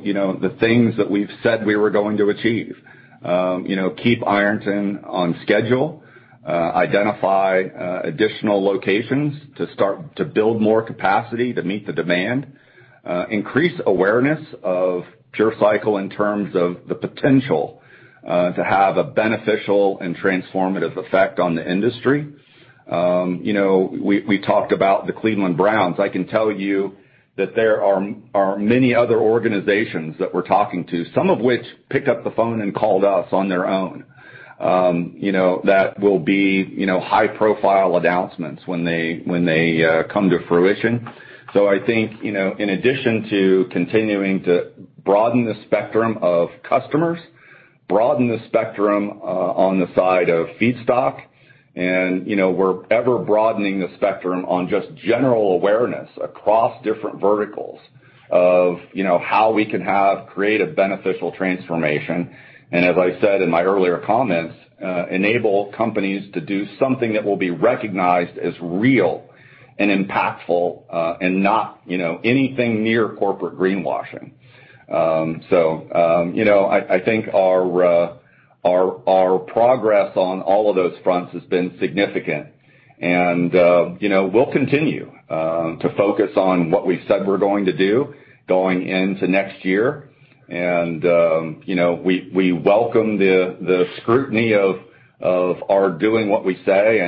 You know, the things that we've said we were going to achieve. You know, keep Ironton on schedule, identify additional locations to start to build more capacity to meet the demand, increase awareness of PureCycle in terms of the potential to have a beneficial and transformative effect on the industry. You know, we talked about the Cleveland Browns. I can tell you that there are many other organizations that we're talking to, some of which picked up the phone and called us on their own, you know, that will be, you know, high-profile announcements when they come to fruition. I think, you know, in addition to continuing to broaden the spectrum of customers on the side of feedstock, and, you know, we're ever broadening the spectrum on just general awareness across different verticals of, you know, how we can have creative, beneficial transformation. As I said in my earlier comments, enable companies to do something that will be recognized as real and impactful, and not, you know, anything near corporate greenwashing. You know, I think our progress on all of those fronts has been significant. You know, we'll continue to focus on what we said we're going to do going into next year. You know, we welcome the scrutiny of our doing what we say.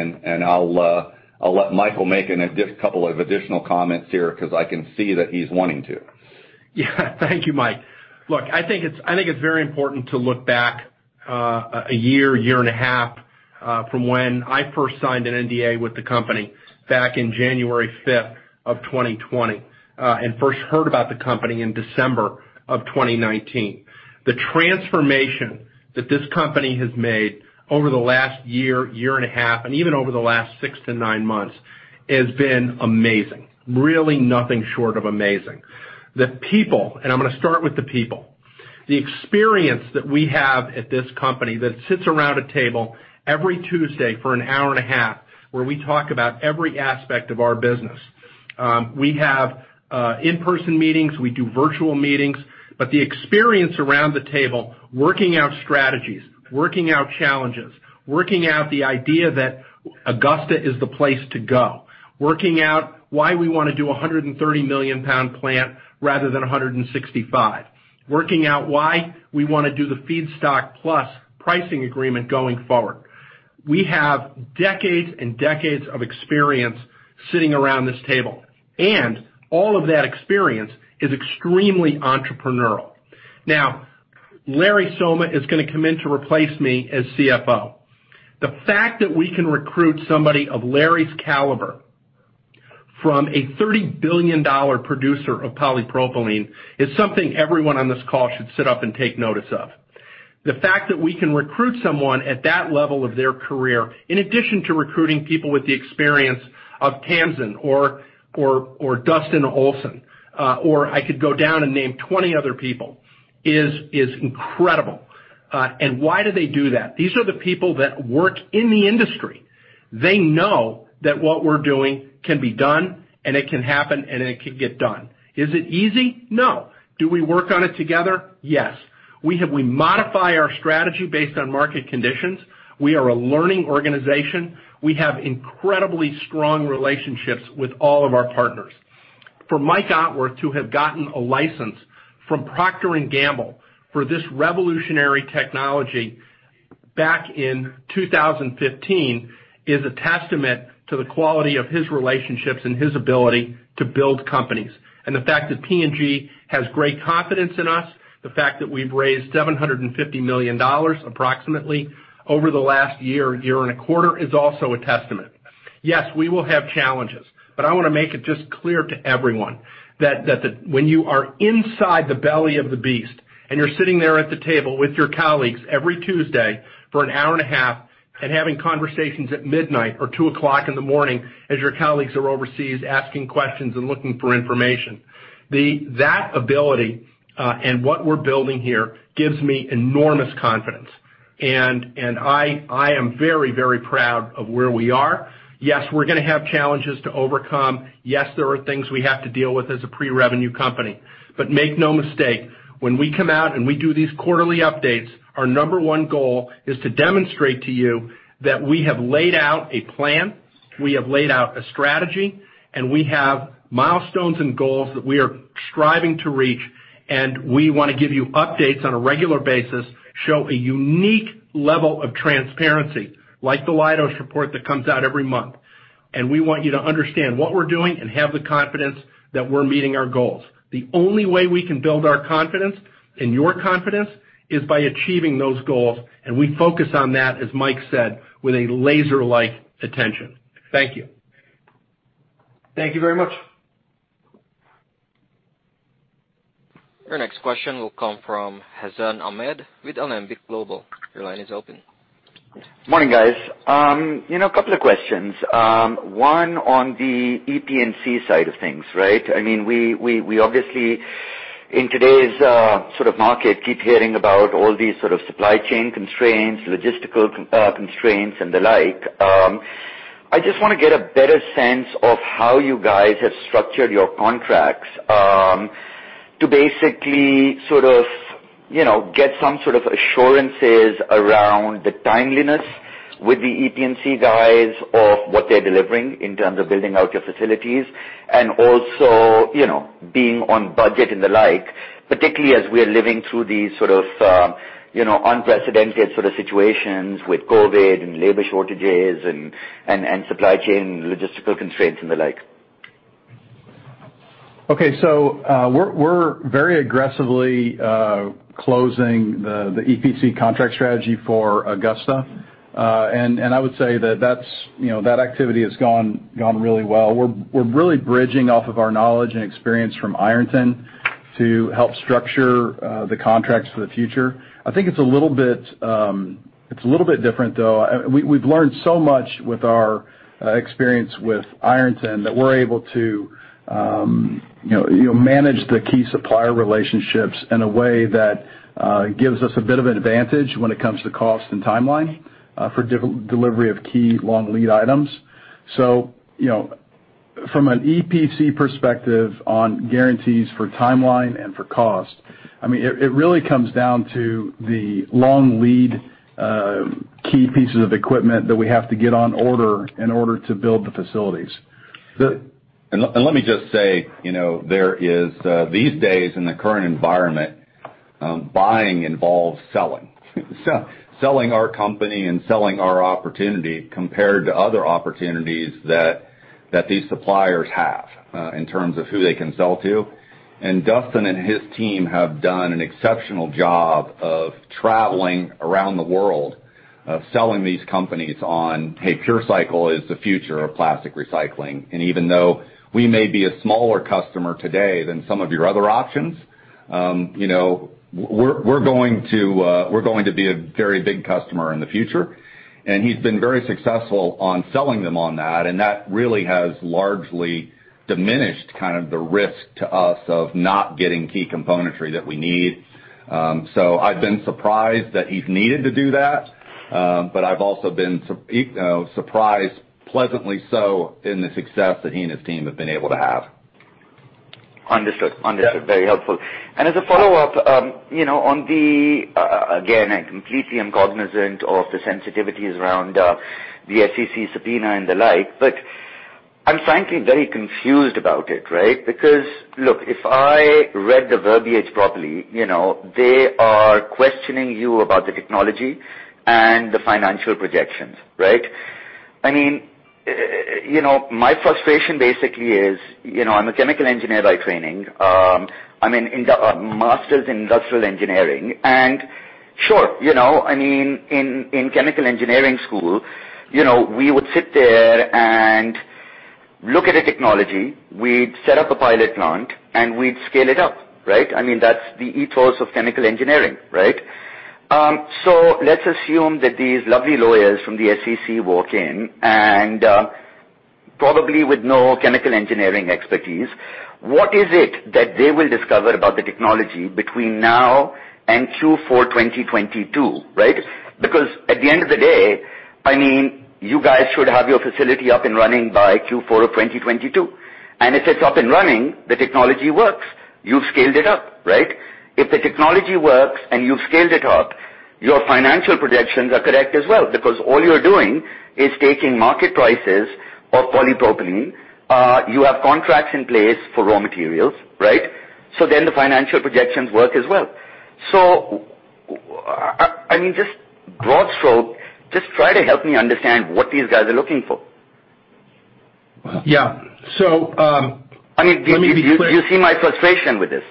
I'll let Michael make a couple of additional comments here 'cause I can see that he's wanting to. Yeah. Thank you, Mike. Look, I think it's very important to look back a year and a half from when I first signed an NDA with the company back in January 5, 2020, and first heard about the company in December 2019. The transformation that this company has made over the last year and a half, and even over the last six to nine months, has been amazing. Really nothing short of amazing. The people, and I'm gonna start with the people. The experience that we have at this company that sits around a table every Tuesday for an hour and a half, where we talk about every aspect of our business. We have in-person meetings, we do virtual meetings, but the experience around the table, working out strategies, working out challenges, working out the idea that Augusta is the place to go, working out why we wanna do a 130 million pound plant rather than a 165 million pound plant, working out why we wanna do the feedstock plus pricing agreement going forward. We have decades and decades of experience sitting around this table, and all of that experience is extremely entrepreneurial. Now, Larry Somma is gonna come in to replace me as CFO. The fact that we can recruit somebody of Larry's caliber from a $30 billion producer of polypropylene is something everyone on this call should sit up and take notice of. The fact that we can recruit someone at that level of their career, in addition to recruiting people with the experience of Tamsin or Dustin Olsen, or I could go down and name 20 other people, is incredible. Why do they do that? These are the people that work in the industry. They know that what we're doing can be done, and it can happen, and it can get done. Is it easy? No. Do we work on it together? Yes. We modify our strategy based on market conditions. We are a learning organization. We have incredibly strong relationships with all of our partners. For Mike Otworth to have gotten a license from Procter & Gamble for this revolutionary technology back in 2015 is a testament to the quality of his relationships and his ability to build companies. The fact that P&G has great confidence in us, the fact that we've raised $750 million approximately over the last year and a quarter, is also a testament. Yes, we will have challenges, but I wanna make it just clear to everyone that the when you are inside the belly of the beast, and you're sitting there at the table with your colleagues every Tuesday for an hour and a half, and having conversations at midnight or 2:00 A.M. as your colleagues are overseas asking questions and looking for information, that ability and what we're building here gives me enormous confidence. I am very proud of where we are. Yes, we're gonna have challenges to overcome. Yes, there are things we have to deal with as a pre-revenue company. Make no mistake, when we come out and we do these quarterly updates, our number one goal is to demonstrate to you that we have laid out a plan, we have laid out a strategy, and we have milestones and goals that we are striving to reach, and we wanna give you updates on a regular basis, show a unique level of transparency, like the Leidos report that comes out every month. We want you to understand what we're doing and have the confidence that we're meeting our goals. The only way we can build our confidence and your confidence is by achieving those goals, and we focus on that, as Mike said, with a laser-like attention. Thank you. Thank you very much. Your next question will come from Hassan Ahmed with Alembic Global. Your line is open. Morning, guys. You know, a couple of questions. One on the EPC side of things, right? I mean, we obviously, in today's sort of market, keep hearing about all these sort of supply chain constraints, logistical constraints and the like. I just wanna get a better sense of how you guys have structured your contracts to basically sort of, you know, get some sort of assurances around the timeliness with the EPC guys of what they're delivering in terms of building out your facilities and also, you know, being on budget and the like, particularly as we're living through these sort of, you know, unprecedented sort of situations with COVID and labor shortages and supply chain logistical constraints and the like. Okay. We're very aggressively closing the EPC contract strategy for Augusta. I would say that's, you know, that activity has gone really well. We're really bridging off of our knowledge and experience from Ironton to help structure the contracts for the future. I think it's a little bit different though. We've learned so much with our experience with Ironton that we're able to, you know, manage the key supplier relationships in a way that gives us a bit of an advantage when it comes to cost and timeline for delivery of key long lead items. You know, from an EPC perspective on guarantees for timeline and for cost, I mean, it really comes down to the long lead key pieces of equipment that we have to get on order in order to build the facilities. Let me just say, you know, there is these days in the current environment, buying involves selling. Selling our company and selling our opportunity compared to other opportunities that these suppliers have in terms of who they can sell to. Dustin and his team have done an exceptional job of traveling around the world, of selling these companies on, "Hey, PureCycle is the future of plastic recycling. And even though we may be a smaller customer today than some of your other options, you know, we're going to be a very big customer in the future." He's been very successful on selling them on that, and that really has largely diminished kind of the risk to us of not getting key componentry that we need. I've been surprised that he's needed to do that, but I've also been, you know, surprised, pleasantly so, in the success that he and his team have been able to have. Understood. Yeah. Very helpful. As a follow-up, you know, on the again, I completely am cognizant of the sensitivities around the SEC subpoena and the like, but I'm frankly very confused about it, right? Because, look, if I read the verbiage properly, you know, they are questioning you about the technology and the financial projections, right? I mean, you know, my frustration basically is, you know, I'm a chemical engineer by training. I'm a master's in industrial engineering. Sure, you know, I mean, in chemical engineering school, you know, we would sit there and look at a technology, we'd set up a pilot plant, and we'd scale it up, right? I mean, that's the ethos of chemical engineering, right? Let's assume that these lovely lawyers from the SEC walk in and, probably with no chemical engineering expertise, what is it that they will discover about the technology between now and Q4 2022, right? Because at the end of the day, I mean, you guys should have your facility up and running by Q4 of 2022. If it's up and running, the technology works. You've scaled it up, right? If the technology works and you've scaled it up, your financial projections are correct as well because all you're doing is taking market prices of polypropylene. You have contracts in place for raw materials, right? I mean, just broad stroke, just try to help me understand what these guys are looking for. Well- Yeah. Let me be clear. I mean, do you see my frustration with this?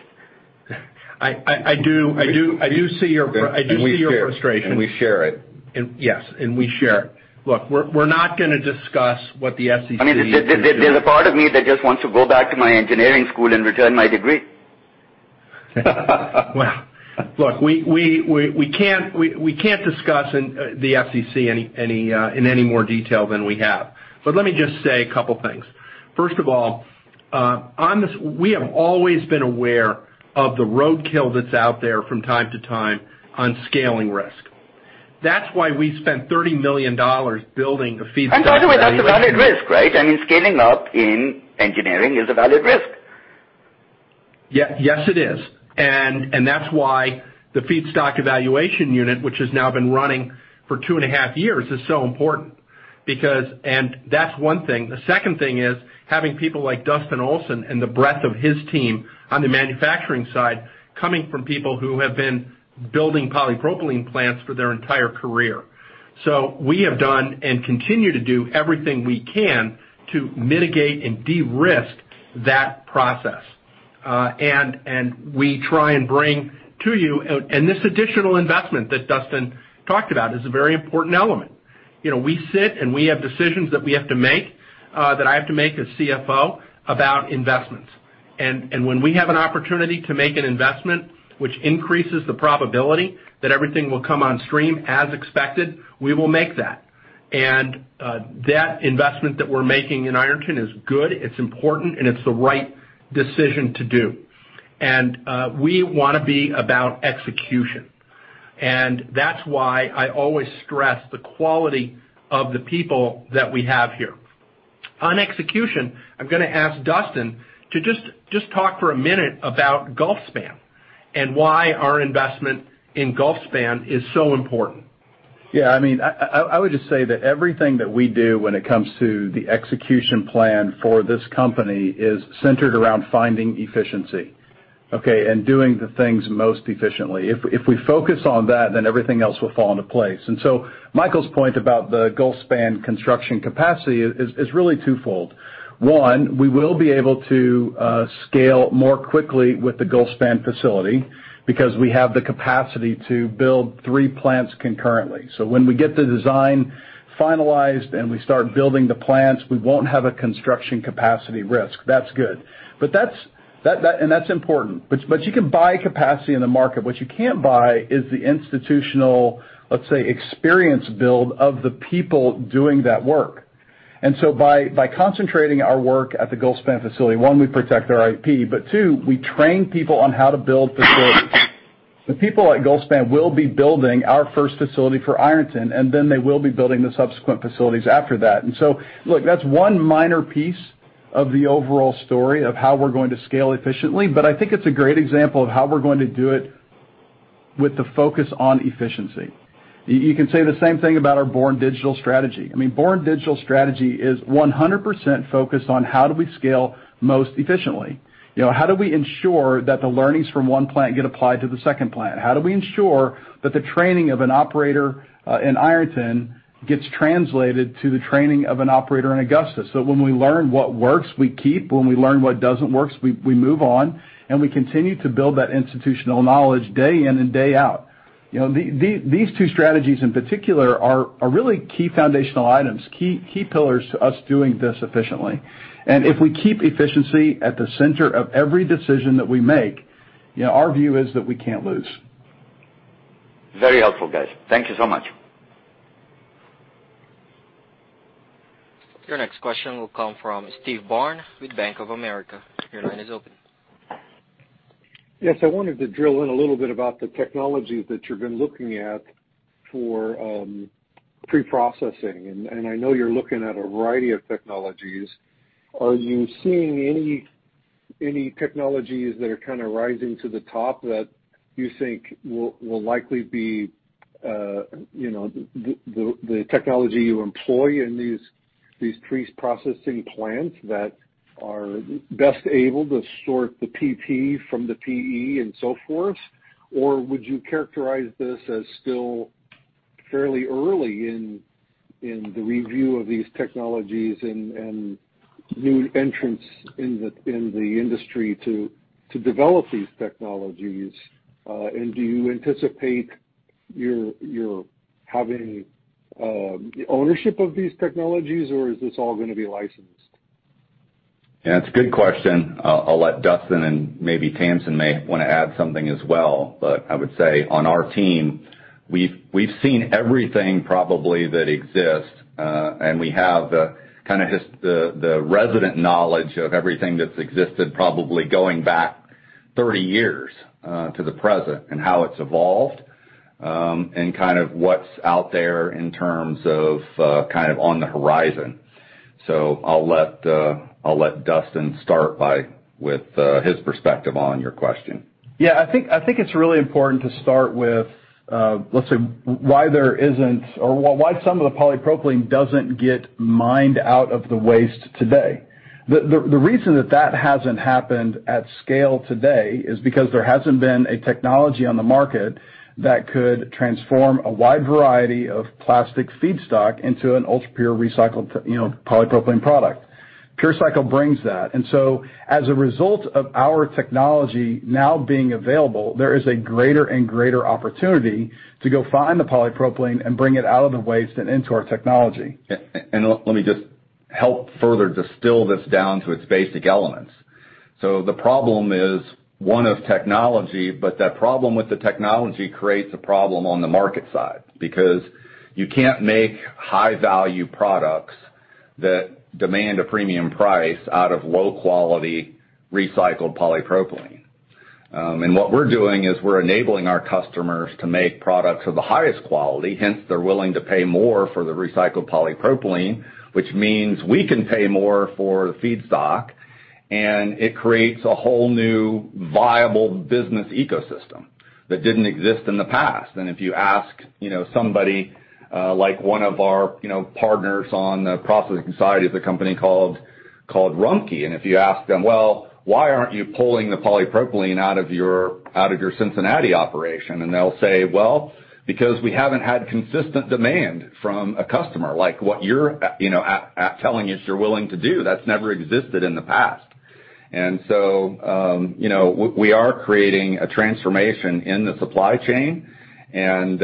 I do see your frustration. We share it. Yes, and we share it. Look, we're not gonna discuss what the SEC is doing. I mean, there's a part of me that just wants to go back to my engineering school and return my degree. Wow. Look, we can't discuss the SEC in any more detail than we have. Let me just say a couple things. First of all, on this. We have always been aware of the roadkill that's out there from time to time on scaling risk. That's why we spent $30 million building a feedstock evaluation unit. By the way, that's a valid risk, right? I mean, scaling up in engineering is a valid risk. Yeah. Yes, it is. That's why the feedstock evaluation unit, which has now been running for 2.5 years, is so important because. That's one thing. The second thing is having people like Dustin Olsen and the breadth of his team on the manufacturing side coming from people who have been building polypropylene plants for their entire career. We have done and continue to do everything we can to mitigate and de-risk that process. This additional investment that Dustin talked about is a very important element. You know, we sit, and we have decisions that we have to make, that I have to make as CFO about investments. When we have an opportunity to make an investment which increases the probability that everything will come on stream as expected, we will make that. That investment that we're making in Ironton is good, it's important, and it's the right decision to do. We wanna be about execution. That's why I always stress the quality of the people that we have here. On execution, I'm gonna ask Dustin to just talk for a minute about Gulfspan Industrial and why our investment in Gulfspan Industrial is so important. Yeah, I mean, I would just say that everything that we do when it comes to the execution plan for this company is centered around finding efficiency, okay, and doing the things most efficiently. If we focus on that, then everything else will fall into place. Michael's point about the Gulfspan Industrial construction capacity is really twofold. One, we will be able to scale more quickly with the Gulfspan Industrial facility because we have the capacity to build three plants concurrently. When we get the design finalized and we start building the plants, we won't have a construction capacity risk. That's good. But that's important. But you can buy capacity in the market. What you can't buy is the institutional, let's say, experience build of the people doing that work. By concentrating our work at the Gulfspan Industrial facility, one, we protect our IP, but two, we train people on how to build facilities. The people at Gulfspan Industrial will be building our first facility for Ironton, and then they will be building the subsequent facilities after that. Look, that's one minor piece of the overall story of how we're going to scale efficiently, but I think it's a great example of how we're going to do it with the focus on efficiency. You can say the same thing about our born-digital strategy. I mean, born-digital strategy is 100% focused on how do we scale most efficiently. You know, how do we ensure that the learnings from one plant get applied to the second plant? How do we ensure that the training of an operator in Ironton gets translated to the training of an operator in Augusta? So when we learn what works, we keep. When we learn what doesn't work, we move on, and we continue to build that institutional knowledge day in and day out. You know, these two strategies in particular are really key foundational items, key pillars to us doing this efficiently. If we keep efficiency at the center of every decision that we make, you know, our view is that we can't lose. Very helpful, guys. Thank you so much. Your next question will come from Steve Byrne with Bank of America. Your line is open. Yes, I wanted to drill in a little bit about the technology that you've been looking at for preprocessing. I know you're looking at a variety of technologies. Are you seeing any technologies that are kinda rising to the top that you think will likely be the technology you employ in these pre-processing plants that are best able to sort the PP from the PE and so forth? Or would you characterize this as still fairly early in the review of these technologies and new entrants in the industry to develop these technologies? Do you anticipate you're having ownership of these technologies, or is this all gonna be licensed? Yeah, it's a good question. I'll let Dustin and maybe Tamsin may wanna add something as well. I would say on our team, we've seen everything probably that exists, and we have the resident knowledge of everything that's existed probably going back 30 years, to the present and how it's evolved, and kind of what's out there in terms of, kind of on the horizon. I'll let Dustin start with his perspective on your question. Yeah, I think it's really important to start with, let's say why there isn't or why some of the polypropylene doesn't get mined out of the waste today. The reason that hasn't happened at scale today is because there hasn't been a technology on the market that could transform a wide variety of plastic feedstock into an ultra-pure recycled polypropylene product. You know, PureCycle brings that. As a result of our technology now being available, there is a greater and greater opportunity to go find the polypropylene and bring it out of the waste and into our technology. Let me just help further distill this down to its basic elements. The problem is one of technology, but that problem with the technology creates a problem on the market side because you can't make high-value products that demand a premium price out of low-quality recycled polypropylene. What we're doing is we're enabling our customers to make products of the highest quality, hence they're willing to pay more for the recycled polypropylene, which means we can pay more for the feedstock, and it creates a whole new viable business ecosystem that didn't exist in the past. If you ask, you know, somebody, like one of our, you know, partners on the processing side is a company called Rumpke. If you ask them, "Well, why aren't you pulling the polypropylene out of your Cincinnati operation?" They'll say, "Well, because we haven't had consistent demand from a customer like what you're, you know, asking us you're willing to do. That's never existed in the past." We are creating a transformation in the supply chain, and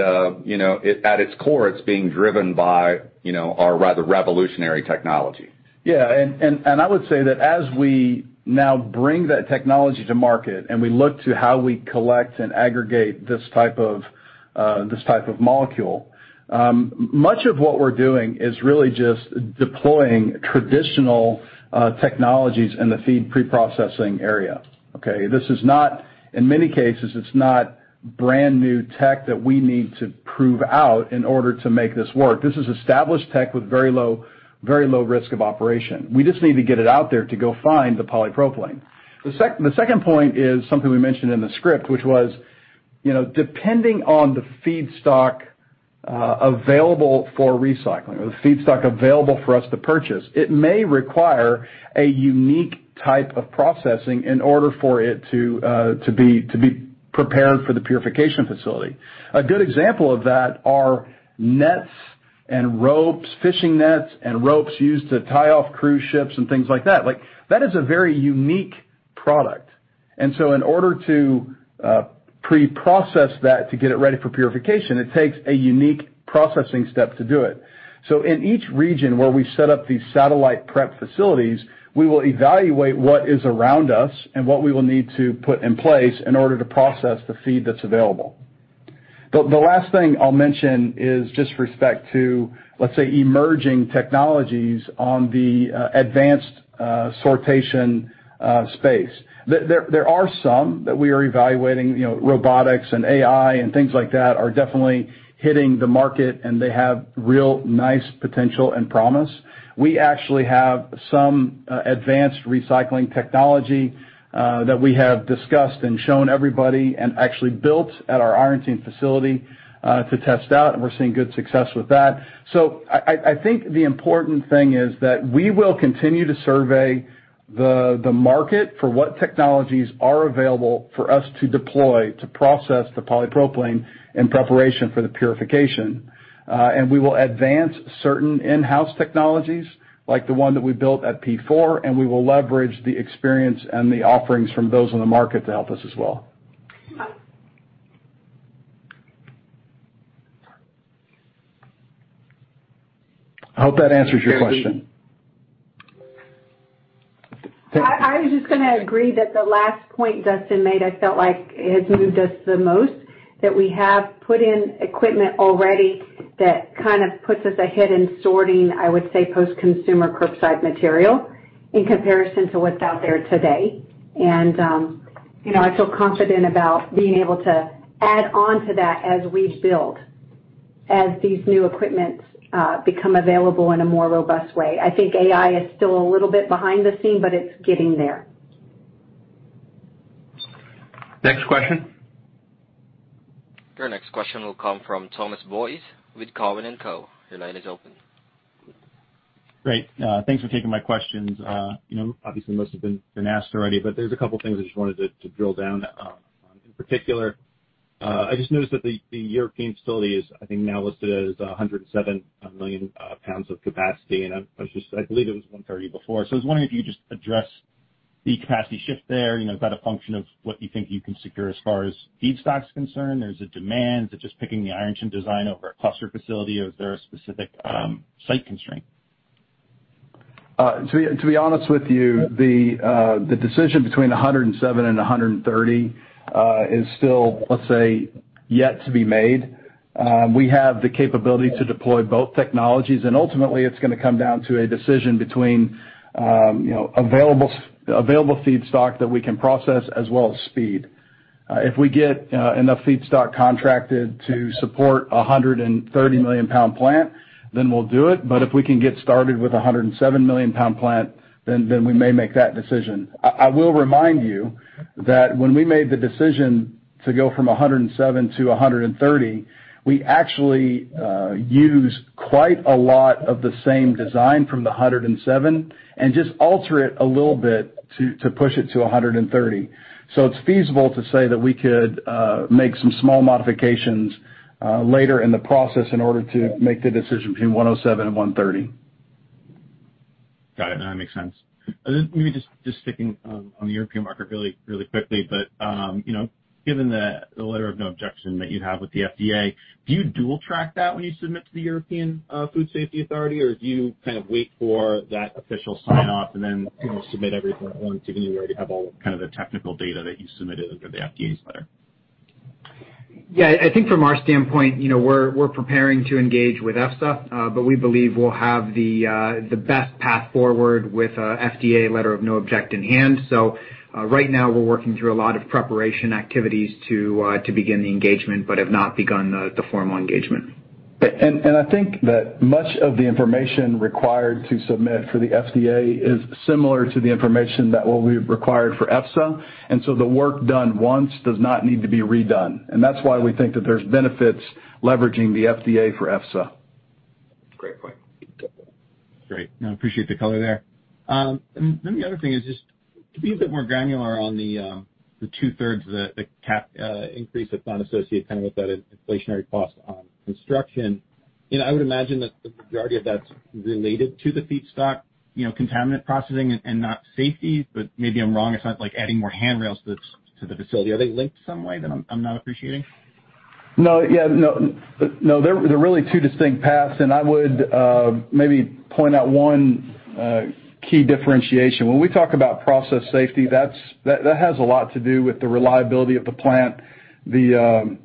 you know, at its core, it's being driven by you know, our rather revolutionary technology. I would say that as we now bring that technology to market and we look to how we collect and aggregate this type of molecule, much of what we're doing is really just deploying traditional technologies in the feed preprocessing area, okay? In many cases, it's not brand-new tech that we need to prove out in order to make this work. This is established tech with very low risk of operation. We just need to get it out there to go find the polypropylene. The second point is something we mentioned in the script, which was. You know, depending on the feedstock available for recycling or the feedstock available for us to purchase, it may require a unique type of processing in order for it to be prepared for the purification facility. A good example of that are nets and ropes, fishing nets and ropes used to tie off cruise ships and things like that. Like, that is a very unique product. In order to pre-process that to get it ready for purification, it takes a unique processing step to do it. In each region where we set up these satellite prep facilities, we will evaluate what is around us and what we will need to put in place in order to process the feed that's available. The last thing I'll mention is just with respect to, let's say, emerging technologies in the advanced sortation space. There are some that we are evaluating, you know, robotics and AI and things like that are definitely hitting the market, and they have real nice potential and promise. We actually have some advanced recycling technology that we have discussed and shown everybody and actually built at our Ironton facility to test out, and we're seeing good success with that. I think the important thing is that we will continue to survey the market for what technologies are available for us to deploy to process the polypropylene in preparation for the purification. We will advance certain in-house technologies like the one that we built at P4, and we will leverage the experience and the offerings from those in the market to help us as well. I hope that answers your question. I was just gonna agree that the last point Dustin made, I felt like has moved us the most, that we have put in equipment already that kind of puts us ahead in sorting, I would say, post-consumer curbside material in comparison to what's out there today. You know, I feel confident about being able to add on to that as we build, as these new equipments become available in a more robust way. I think AI is still a little bit behind the scene, but it's getting there. Next question. Your next question will come from Thomas Boyes with Cowen and Co. Your line is open. Great. Thanks for taking my questions. You know, obviously most have been asked already, but there's a couple things I just wanted to drill down on. In particular, I just noticed that the European facility is, I think, now listed as 107 million pounds of capacity, and I believe it was 130 before. I was wondering if you could just address the capacity shift there. You know, is that a function of what you think you can secure as far as feedstock's concerned? Is it demand? Is it just picking the Ironton design over a cluster facility, or is there a specific site constraint? To be honest with you, the decision between 107-130 is still, let's say, yet to be made. We have the capability to deploy both technologies, and ultimately it's gonna come down to a decision between, you know, available feedstock that we can process as well as speed. If we get enough feedstock contracted to support a 130 million pound plant, then we'll do it. If we can get started with a 107 million pound plant, then we may make that decision. I will remind you that when we made the decision to go from 107 to 130, we actually use quite a lot of the same design from the 107 and just alter it a little bit to push it to 130. It's feasible to say that we could make some small modifications later in the process in order to make the decision between 107 and 130. Got it. No, that makes sense. Then maybe just sticking on the European market really quickly, you know, given the letter of no objection that you have with the FDA, do you dual track that when you submit to the European Food Safety Authority, or do you kind of wait for that official sign-off and then, you know, submit everything at once, given you already have all kind of the technical data that you submitted under the FDA's letter? Yeah. I think from our standpoint, you know, we're preparing to engage with EFSA, but we believe we'll have the best path forward with a FDA letter of no objection in hand. Right now we're working through a lot of preparation activities to begin the engagement but have not begun the formal engagement. I think that much of the information required to submit for the FDA is similar to the information that will be required for EFSA, and so the work done once does not need to be redone. That's why we think that there's benefits leveraging the FDA for EFSA. Great point. Great. No, I appreciate the color there. Then the other thing is just to be a bit more granular on the two-thirds of the cap increase that's not associated kind of with that inflationary cost on construction, you know. I would imagine that the majority of that's related to the feedstock, you know, contaminant processing and not safety, but maybe I'm wrong. It's not like adding more handrails to the facility. Are they linked some way that I'm not appreciating? No. Yeah. No. No. They're really two distinct paths, and I would maybe point out one key differentiation. When we talk about process safety, that has a lot to do with the reliability of the plant, the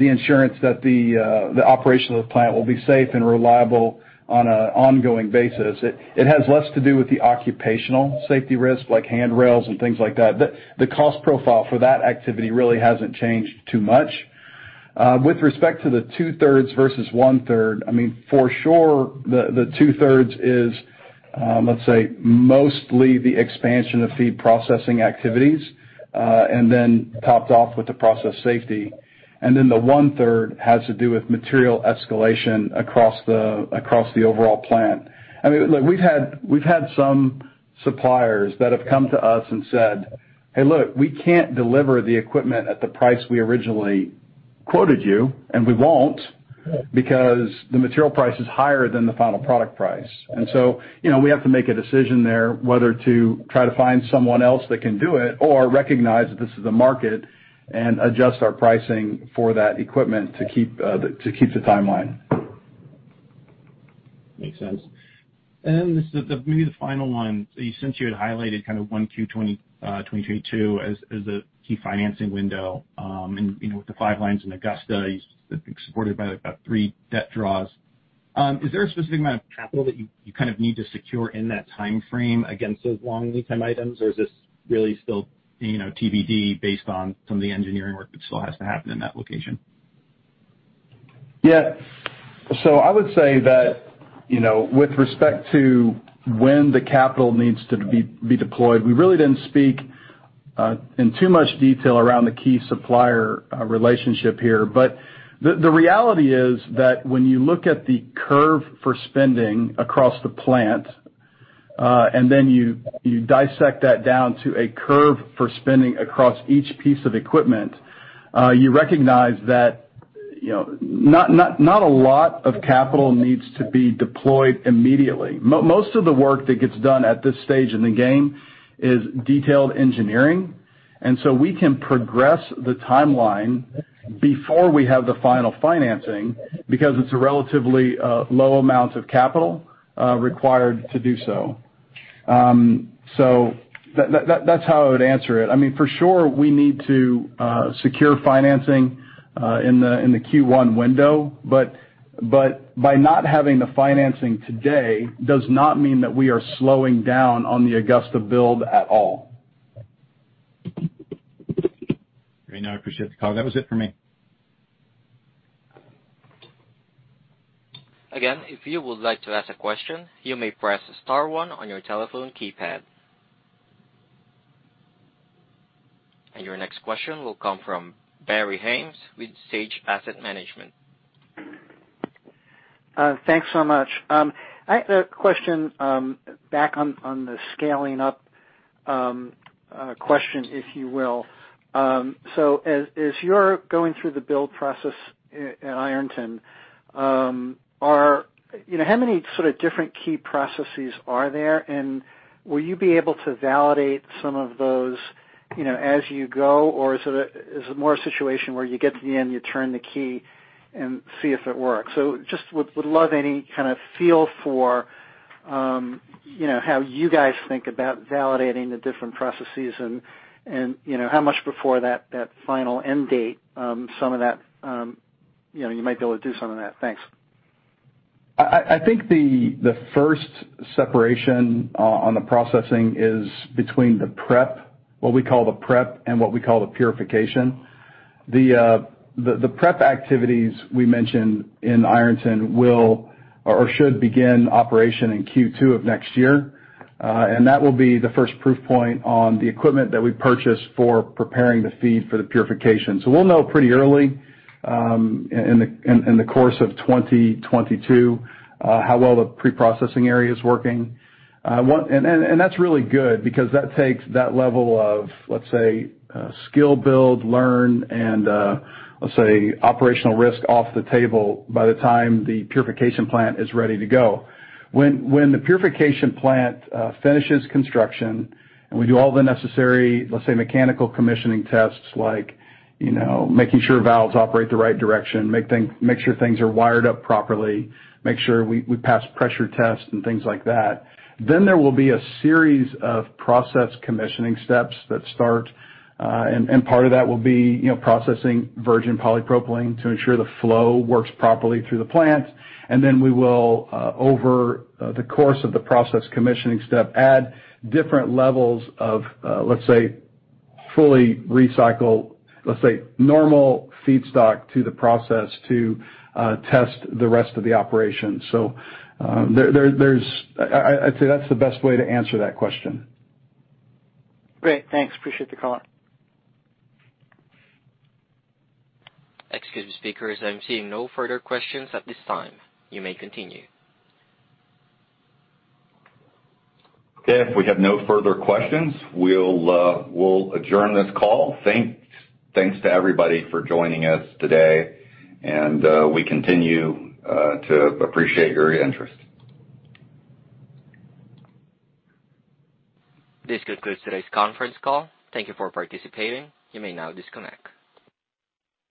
insurance that the operation of the plant will be safe and reliable on an ongoing basis. It has less to do with the occupational safety risk, like handrails and things like that. The cost profile for that activity really hasn't changed too much with respect to the two-thirds versus one-third. I mean, for sure, the two-thirds is let's say mostly the expansion of feed processing activities and then topped off with the process safety. The one-third has to do with material escalation across the overall plant. I mean, look, we've had some suppliers that have come to us and said, "Hey, look, we can't deliver the equipment at the price we originally quoted you, and we won't because the material price is higher than the final product price." You know, we have to make a decision there whether to try to find someone else that can do it or recognize that this is a market and adjust our pricing for that equipment to keep the timeline. Makes sense. Then this is maybe the final one. Since you had highlighted Q1 2022 as a key financing window, and, you know, with the five lines in Augusta, you said it's supported by about 3 debt draws. Is there a specific amount of capital that you kind of need to secure in that timeframe against those long lead time items or is this really still, you know, TBD based on some of the engineering work that still has to happen in that location? Yeah. I would say that, you know, with respect to when the capital needs to be deployed, we really didn't speak in too much detail around the key supplier relationship here. The reality is that when you look at the curve for spending across the plant, and then you dissect that down to a curve for spending across each piece of equipment, you recognize that, you know, not a lot of capital needs to be deployed immediately. Most of the work that gets done at this stage in the game is detailed engineering, and so we can progress the timeline before we have the final financing because it's a relatively low amount of capital required to do so. That's how I would answer it. I mean, for sure, we need to secure financing in the Q1 window, but by not having the financing today does not mean that we are slowing down on the Augusta build at all. Great. Now I appreciate the call. That was it for me. Again, if you would like to ask a question, you may press star one on your telephone keypad. Your next question will come from Barry Haimes with Sage Asset Management. Thanks so much. I have a question back on the scaling up question, if you will. So as you're going through the build process in Ironton, are, you know, how many sort of different key processes are there, and will you be able to validate some of those, you know, as you go? Or is it more a situation where you get to the end, you turn the key, and see if it works? Just would love any kind of feel for, you know, how you guys think about validating the different processes and, you know, how much before that final end date, some of that, you know, you might be able to do some of that. Thanks. I think the first separation on the processing is between the prep, what we call the prep, and what we call the purification. The prep activities we mentioned in Ironton will or should begin operation in Q2 of next year. That will be the first proof point on the equipment that we purchased for preparing the feed for the purification. We'll know pretty early in the course of 2022 how well the preprocessing area is working. That's really good because that takes that level of, let's say, skill build, learn, and, let's say operational risk off the table by the time the purification plant is ready to go. When the purification plant finishes construction, and we do all the necessary, let's say, mechanical commissioning tests, like, you know, making sure valves operate the right direction, make sure things are wired up properly, make sure we pass pressure tests and things like that, then there will be a series of process commissioning steps that start, and part of that will be, you know, processing virgin polypropylene to ensure the flow works properly through the plant. Then we will, over the course of the process commissioning step, add different levels of, let's say, fully recycle, let's say, normal feedstock to the process to test the rest of the operation. There's, I'd say that's the best way to answer that question. Great. Thanks. Appreciate the call. Excuse me, speakers. I'm seeing no further questions at this time. You may continue. Okay. If we have no further questions, we'll adjourn this call. Thanks to everybody for joining us today, and we continue to appreciate your interest. This concludes today's conference call. Thank you for participating. You may now disconnect.